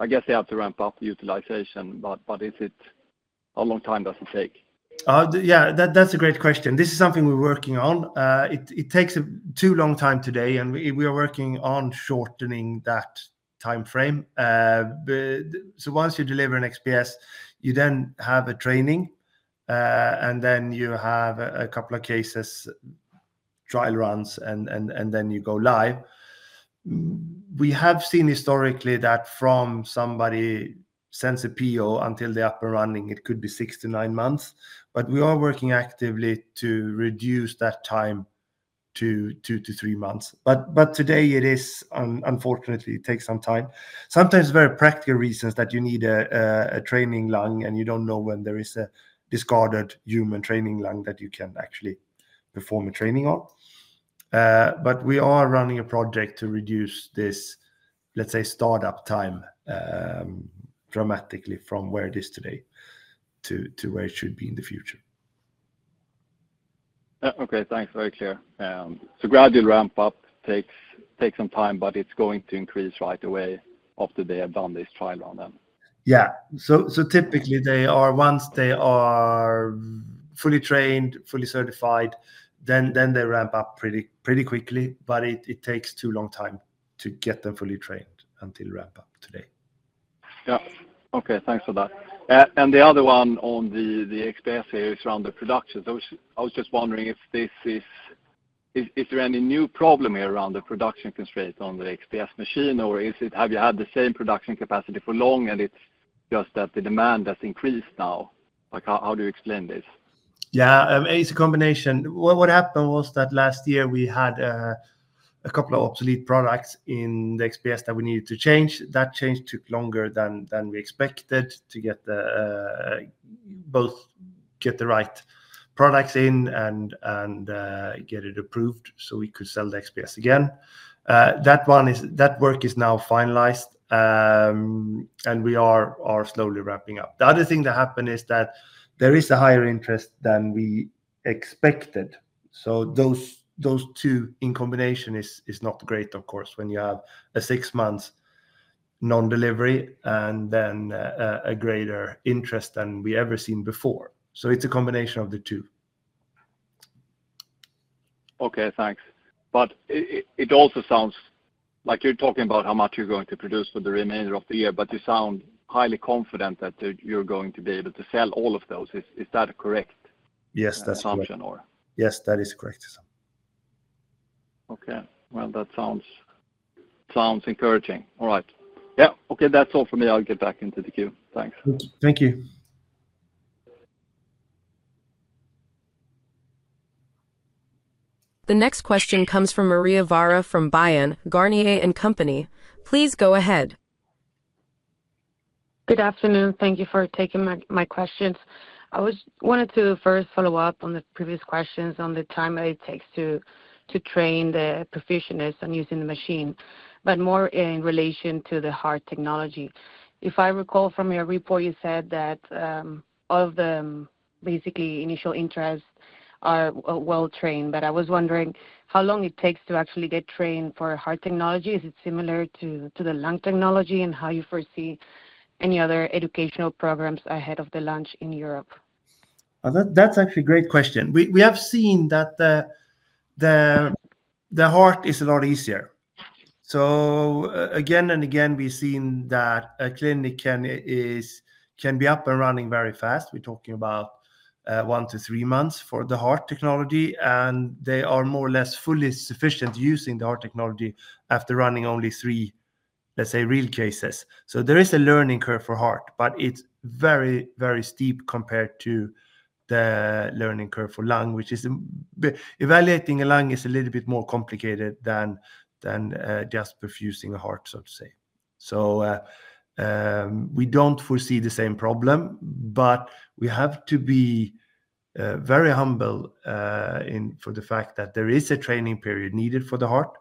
I guess they have to ramp up utilization, but how long time does it take? Yeah, that's a great question. This is something we're working on. It takes too long time today, and we are working on shortening that time frame. Once you deliver an XPS, you then have a training, and then you have a couple of cases, trial runs, and then you go live. We have seen historically that from somebody sends a PO until they're up and running, it could be six to nine months. We are working actively to reduce that time to two to three months. Today, unfortunately, it takes some time. Sometimes, for very practical reasons, you need a training lung, and you do not know when there is a discarded human training lung that you can actually perform a training on. We are running a project to reduce this, let's say, startup time dramatically from where it is today to where it should be in the future. Okay, thanks. Very clear. Gradual ramp-up takes some time, but it is going to increase right away after they have done this trial run then. Yeah. Typically, once they are fully trained, fully certified, they ramp up pretty quickly, but it takes too long to get them fully trained until ramp-up today. Yeah. Okay, thanks for that. The other one on the XPS here is around the production. I was just wondering if there is any new problem here around the production constraints on the XPS machine, or have you had the same production capacity for long, and it's just that the demand has increased now? How do you explain this? Yeah, it's a combination. What happened was that last year we had a couple of obsolete products in the XPS that we needed to change. That change took longer than we expected to both get the right products in and get it approved so we could sell the XPS again. That work is now finalized, and we are slowly wrapping up. The other thing that happened is that there is a higher interest than we expected. Those two in combination is not great, of course, when you have a six-month non-delivery and then a greater interest than we ever seen before. It is a combination of the two. Okay, thanks. It also sounds like you are talking about how much you are going to produce for the remainder of the year, but you sound highly confident that you are going to be able to sell all of those. Is that a correct assumption, or? Yes, that is correct. Okay. That sounds encouraging. All right. Yeah. Okay, that is all for me. I will get back into the queue. Thanks. Thank you. The next question comes from Maria Vara from Bryan Garnier & Company. Please go ahead. Good afternoon. Thank you for taking my questions. I wanted to first follow up on the previous questions on the time it takes to train the perfusionists on using the machine, but more in relation to the heart technology. If I recall from your report, you said that all of the basically initial interests are well-trained, but I was wondering how long it takes to actually get trained for heart technology. Is it similar to the lung technology and how you foresee any other educational programs ahead of the launch in Europe? That's actually a great question. We have seen that the heart is a lot easier. Again and again, we've seen that a clinic can be up and running very fast. We're talking about one to three months for the heart technology, and they are more or less fully sufficient using the heart technology after running only three, let's say, real cases. There is a learning curve for heart, but it's very, very steep compared to the learning curve for lung, which is evaluating a lung is a little bit more complicated than just perfusing a heart, so to say. We don't foresee the same problem, but we have to be very humble for the fact that there is a training period needed for the heart,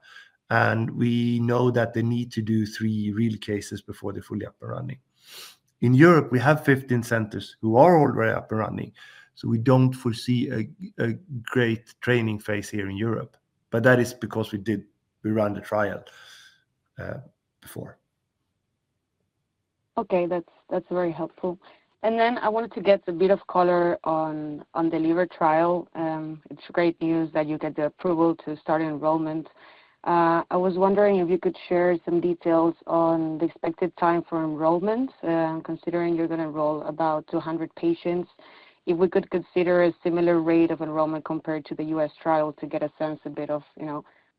and we know that they need to do three real cases before they're fully up and running. In Europe, we have 15 centers who are already up and running, so we don't foresee a great training phase here in Europe, but that is because we ran the trial before. Okay, that's very helpful. I wanted to get a bit of color on the liver trial. It's great news that you get the approval to start enrollment. I was wondering if you could share some details on the expected time for enrollment, considering you're going to enroll about 200 patients. If we could consider a similar rate of enrollment compared to the US trial to get a sense a bit of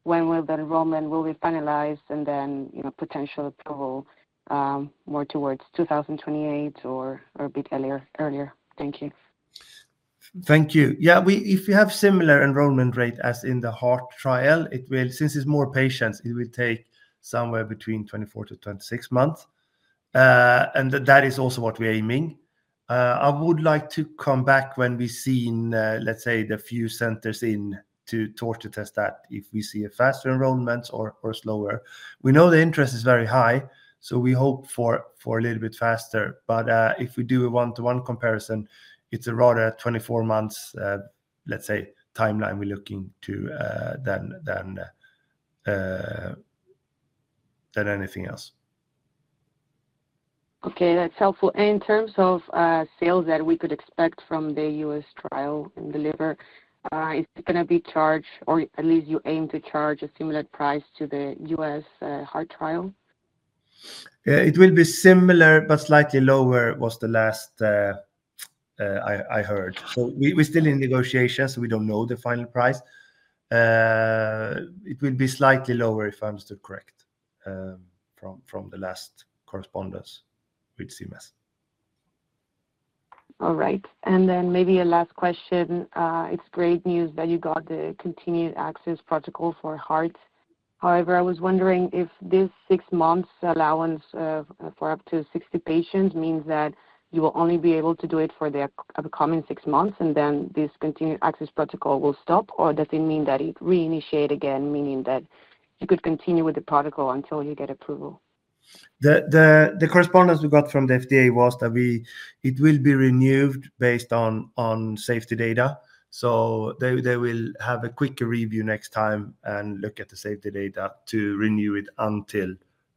when will the enrollment be finalized and then potential approval more towards 2028 or a bit earlier. Thank you. Thank you. Yeah, if you have a similar enrollment rate as in the heart trial, since it's more patients, it will take somewhere between 24-26 months. That is also what we're aiming. I would like to come back when we've seen, let's say, the few centers in to test that if we see a faster enrollment or slower. We know the interest is very high, so we hope for a little bit faster. If we do a one-to-one comparison, it's a rather 24-month, let's say, timeline we're looking to than anything else. Okay, that's helpful. In terms of sales that we could expect from the US trial and deliver, is it going to be charged, or at least you aim to charge a similar price to the US heart trial? It will be similar, but slightly lower was the last I heard. We're still in negotiations, so we don't know the final price. It will be slightly lower, if I understood correct, from the last correspondence with CMS. All right. Maybe a last question. It's great news that you got the continued access protocol for heart. However, I was wondering if this six-month allowance for up to 60 patients means that you will only be able to do it for the upcoming six months, and then this continued access protocol will stop, or does it mean that it reinitiated again, meaning that you could continue with the protocol until you get approval? The correspondence we got from the FDA was that it will be renewed based on safety data. They will have a quicker review next time and look at the safety data to renew it until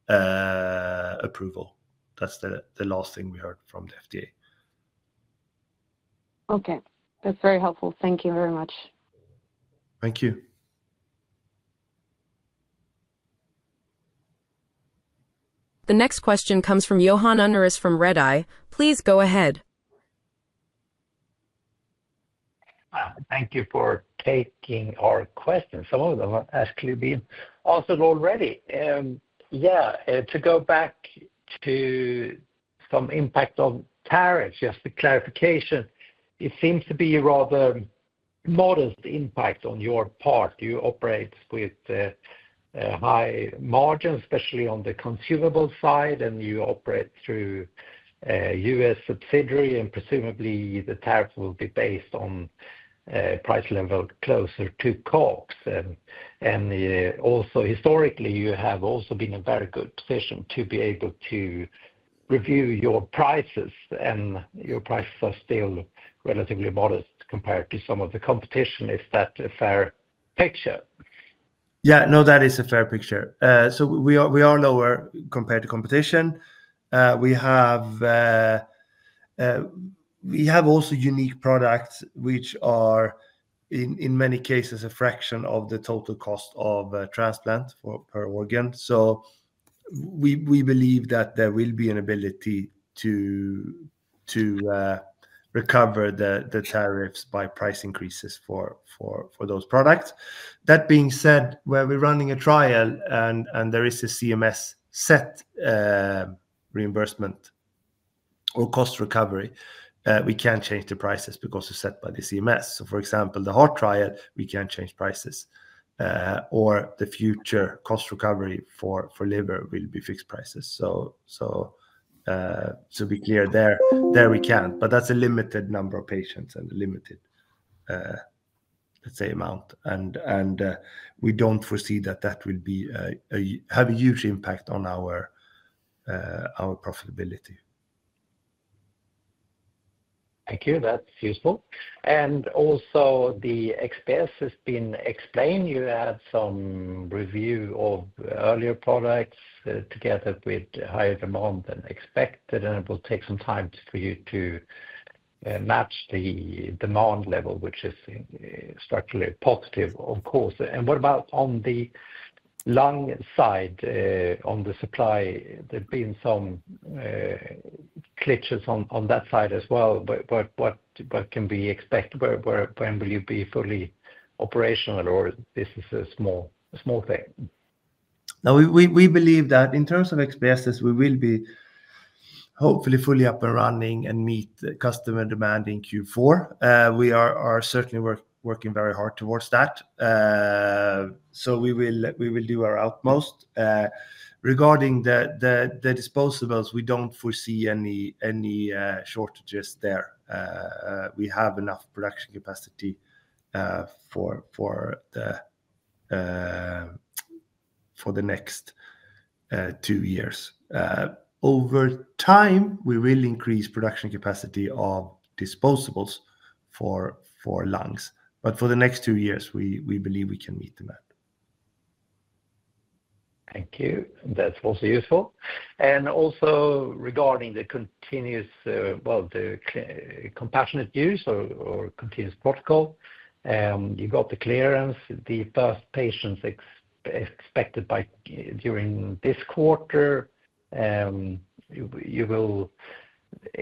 approval. That's the last thing we heard from the FDA. Okay. That's very helpful. Thank you very much. Thank you. The next question comes from Johan Unnerus from Redeye. Please go ahead. Thank you for taking our questions. Some of them are asked to be answered already. Yeah, to go back to some impact on tariffs, just a clarification. It seems to be a rather modest impact on your part. You operate with high margins, especially on the consumable side, and you operate through U.S. subsidiary, and presumably the tariff will be based on price level closer to COGS. Also, historically, you have also been in a very good position to be able to review your prices, and your prices are still relatively modest compared to some of the competition. Is that a fair picture? Yeah, no, that is a fair picture. We are lower compared to competition. We have also unique products which are, in many cases, a fraction of the total cost of transplant per organ. We believe that there will be an ability to recover the tariffs by price increases for those products. That being said, where we're running a trial and there is a CMS set reimbursement or cost recovery, we can't change the prices because it's set by the CMS. For example, the heart trial, we can't change prices, or the future cost recovery for liver will be fixed prices. To be clear there, we can. That's a limited number of patients and a limited, let's say, amount. We don't foresee that that will have a huge impact on our profitability. Thank you. That's useful. Also, the XPS has been explained. You had some review of earlier products together with higher demand than expected, and it will take some time for you to match the demand level, which is structurally positive, of course. What about on the lung side? On the supply, there have been some glitches on that side as well. What can we expect? When will you be fully operational, or this is a small thing? No, we believe that in terms of XPSs, we will be hopefully fully up and running and meet customer demand in Q4. We are certainly working very hard towards that. We will do our utmost. Regarding the disposables, we do not foresee any shortages there. We have enough production capacity for the next two years. Over time, we will increase production capacity of disposables for lungs. For the next two years, we believe we can meet demand. Thank you. That is also useful. Also regarding the continuous, well, the compassionate use or continuous protocol, you got the clearance, the first patients expected during this quarter. You will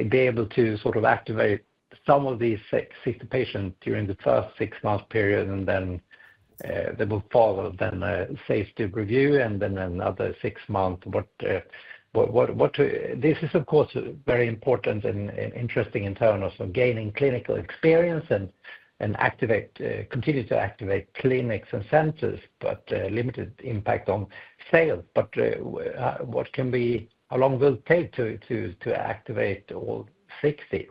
be able to sort of activate some of these 60 patients during the first six-month period, and then there will follow a safety review, and then another six months. This is, of course, very important and interesting in terms of gaining clinical experience and continue to activate clinics and centers, but limited impact on sales. How long will it take to activate all 60?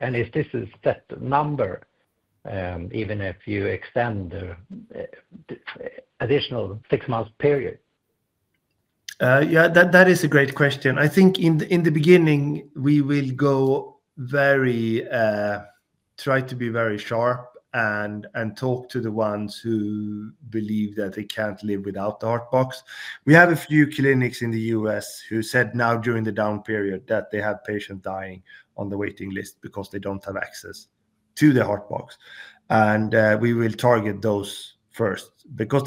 Is this a set number, even if you extend the additional six-month period? Yeah, that is a great question. I think in the beginning, we will try to be very sharp and talk to the ones who believe that they can't live without the Heart Box. We have a few clinics in the US who said now during the down period that they have patients dying on the waiting list because they don't have access to the Heart Box. We will target those first because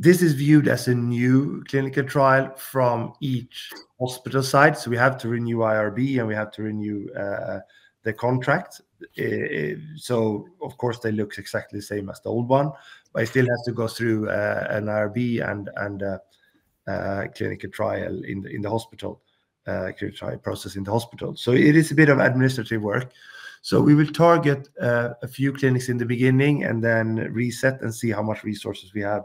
this is viewed as a new clinical trial from each hospital side. We have to renew IRB, and we have to renew the contract. Of course, they look exactly the same as the old one, but it still has to go through an IRB and a clinical trial in the hospital, clinical trial process in the hospital. It is a bit of administrative work. We will target a few clinics in the beginning and then reset and see how much resources we have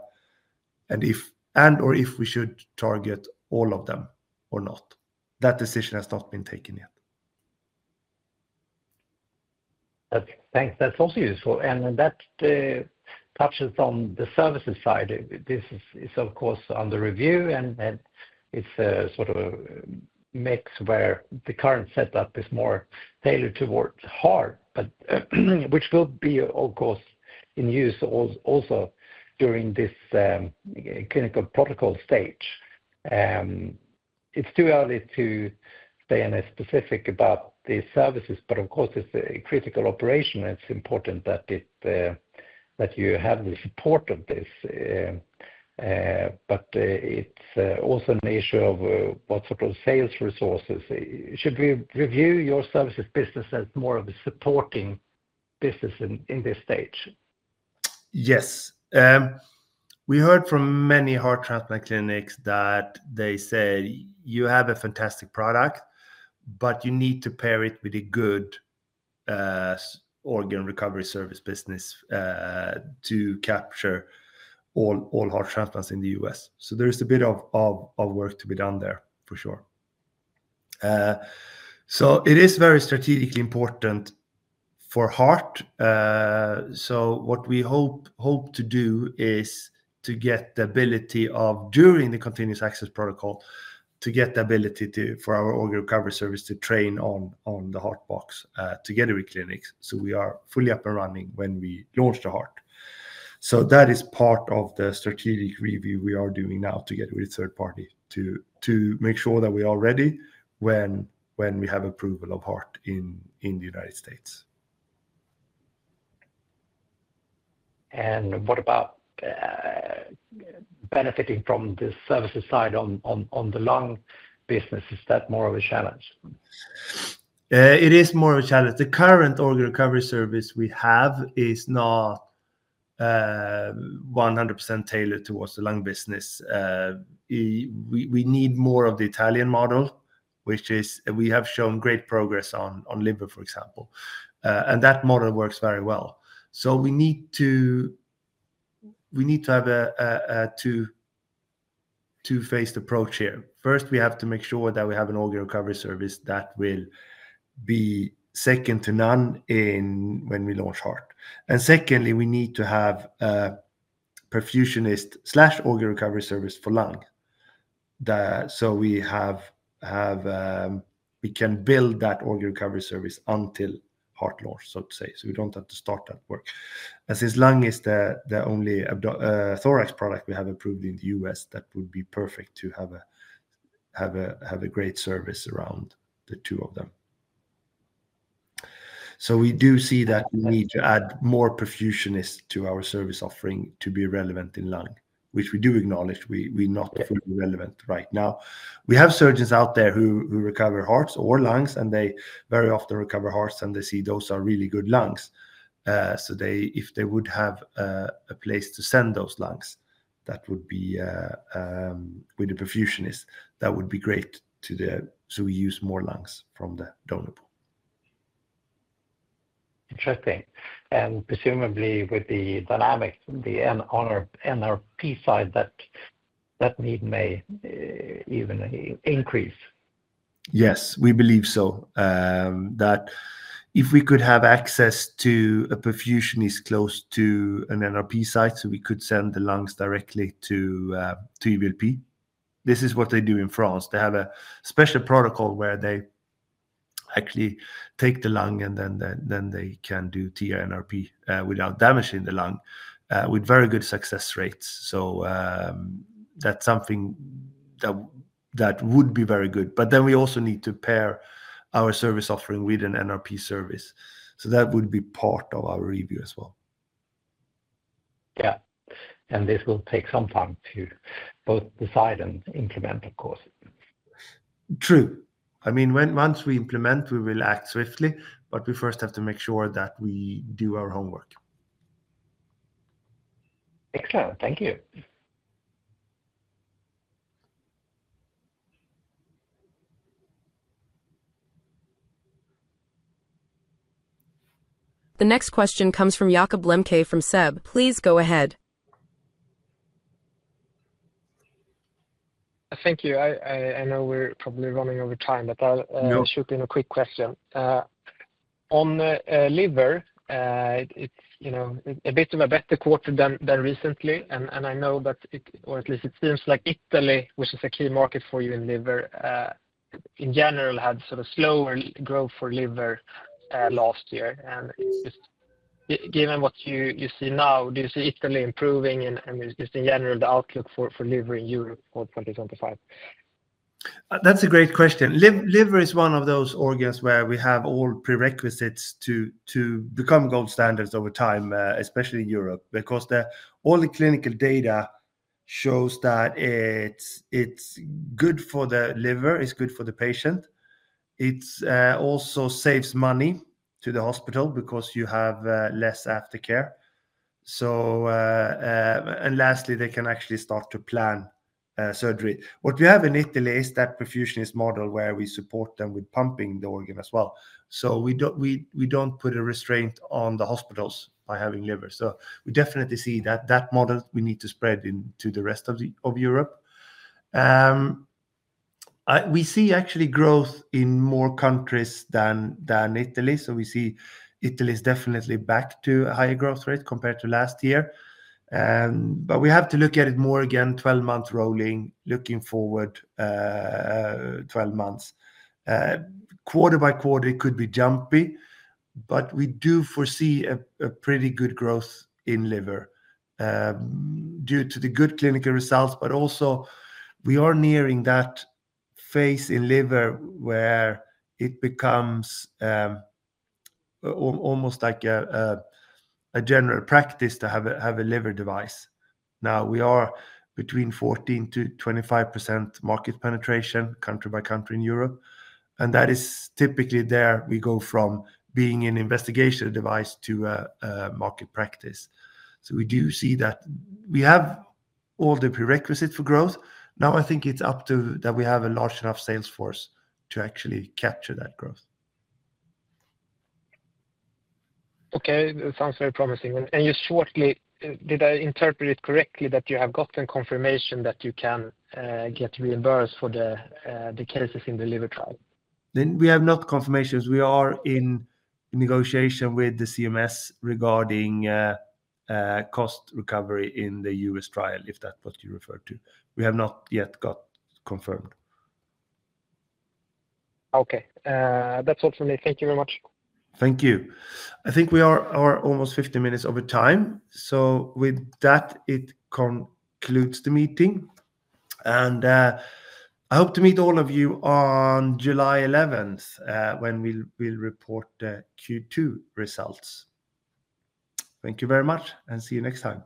and/or if we should target all of them or not. That decision has not been taken yet. Thanks. That is also useful. That touches on the services side. This is, of course, under review, and it's a sort of mix where the current setup is more tailored towards heart, which will be, of course, in use also during this clinical protocol stage. It's too early to stay specific about the services, but of course, it's a critical operation. It's important that you have the support of this. It's also an issue of what sort of sales resources. Should we review your services business as more of a supporting business in this stage? Yes. We heard from many heart transplant clinics that they said, "You have a fantastic product, but you need to pair it with a good organ recovery service business to capture all heart transplants in the US." There is a bit of work to be done there, for sure. It is very strategically important for heart. What we hope to do is to get the ability of, during the continuous access protocol, to get the ability for our organ recovery service to train on the Heart Box together with clinics so we are fully up and running when we launch the heart. That is part of the strategic review we are doing now together with a third party to make sure that we are ready when we have approval of heart in the United States. What about benefiting from the services side on the lung business? Is that more of a challenge? It is more of a challenge. The current organ recovery service we have is not 100% tailored towards the lung business. We need more of the Italian model, which we have shown great progress on liver, for example. That model works very well. We need to have a two-phased approach here. First, we have to make sure that we have an organ recovery service that will be second to none when we launch heart. Secondly, we need to have a perfusionist/organ recovery service for lung. We can build that organ recovery service until heart launch, so to say, so we do not have to start that work. Since lung is the only thorax product we have approved in the U.S., that would be perfect to have a great service around the two of them. We do see that we need to add more perfusionists to our service offering to be relevant in lung, which we do acknowledge will not be fully relevant right now. We have surgeons out there who recover hearts or lungs, and they very often recover hearts, and they see those are really good lungs. If they would have a place to send those lungs, that would be with the perfusionists, that would be great so we use more lungs from the donor. Interesting. Presumably with the dynamics on the NRP side, that need may even increase. Yes, we believe so. If we could have access to a perfusionist close to an NRP site, we could send the lungs directly to EVLP. This is what they do in France. They have a special protocol where they actually take the lung, and then they can do TRNRP without damaging the lung with very good success rates. That is something that would be very good. We also need to pair our service offering with an NRP service. That would be part of our review as well. This will take some time to both decide and implement, of course. True. I mean, once we implement, we will act swiftly, but we first have to make sure that we do our homework. Excellent. Thank you. The next question comes from Jakob Lemke from SEB. Please go ahead. Thank you. I know we're probably running over time, but I'll shoot in a quick question. On liver, it's a bit of a better quarter than recently. I know that, or at least it seems like Italy, which is a key market for you in liver, in general, had sort of slower growth for liver last year. Given what you see now, do you see Italy improving and just in general the outlook for liver in Europe for 2025? That's a great question. Liver is one of those organs where we have all prerequisites to become gold standards over time, especially in Europe, because all the clinical data shows that it's good for the liver, it's good for the patient. It also saves money to the hospital because you have less aftercare. Lastly, they can actually start to plan surgery. What we have in Italy is that perfusionist model where we support them with pumping the organ as well. We don't put a restraint on the hospitals by having liver. We definitely see that model we need to spread into the rest of Europe. We see actually growth in more countries than Italy. We see Italy is definitely back to a higher growth rate compared to last year. We have to look at it more again, 12-month rolling, looking forward 12 months. Quarter by quarter, it could be jumpy, but we do foresee a pretty good growth in liver due to the good clinical results. Also, we are nearing that phase in liver where it becomes almost like a general practice to have a liver device. Now, we are between 14%-25% market penetration country by country in Europe. That is typically where we go from being an investigation device to a market practice. We do see that we have all the prerequisites for growth. I think it's up to that we have a large enough sales force to actually capture that growth. Okay. That sounds very promising. You shortly, did I interpret it correctly that you have gotten confirmation that you can get reimbursed for the cases in the liver trial? We have not confirmations. We are in negotiation with the CMS regarding cost recovery in the US trial, if that's what you refer to. We have not yet got confirmed. Okay. That's all from me. Thank you very much. Thank you. I think we are almost 50 minutes over time. With that, it concludes the meeting. I hope to meet all of you on July 11th when we'll report the Q2 results. Thank you very much, and see you next time.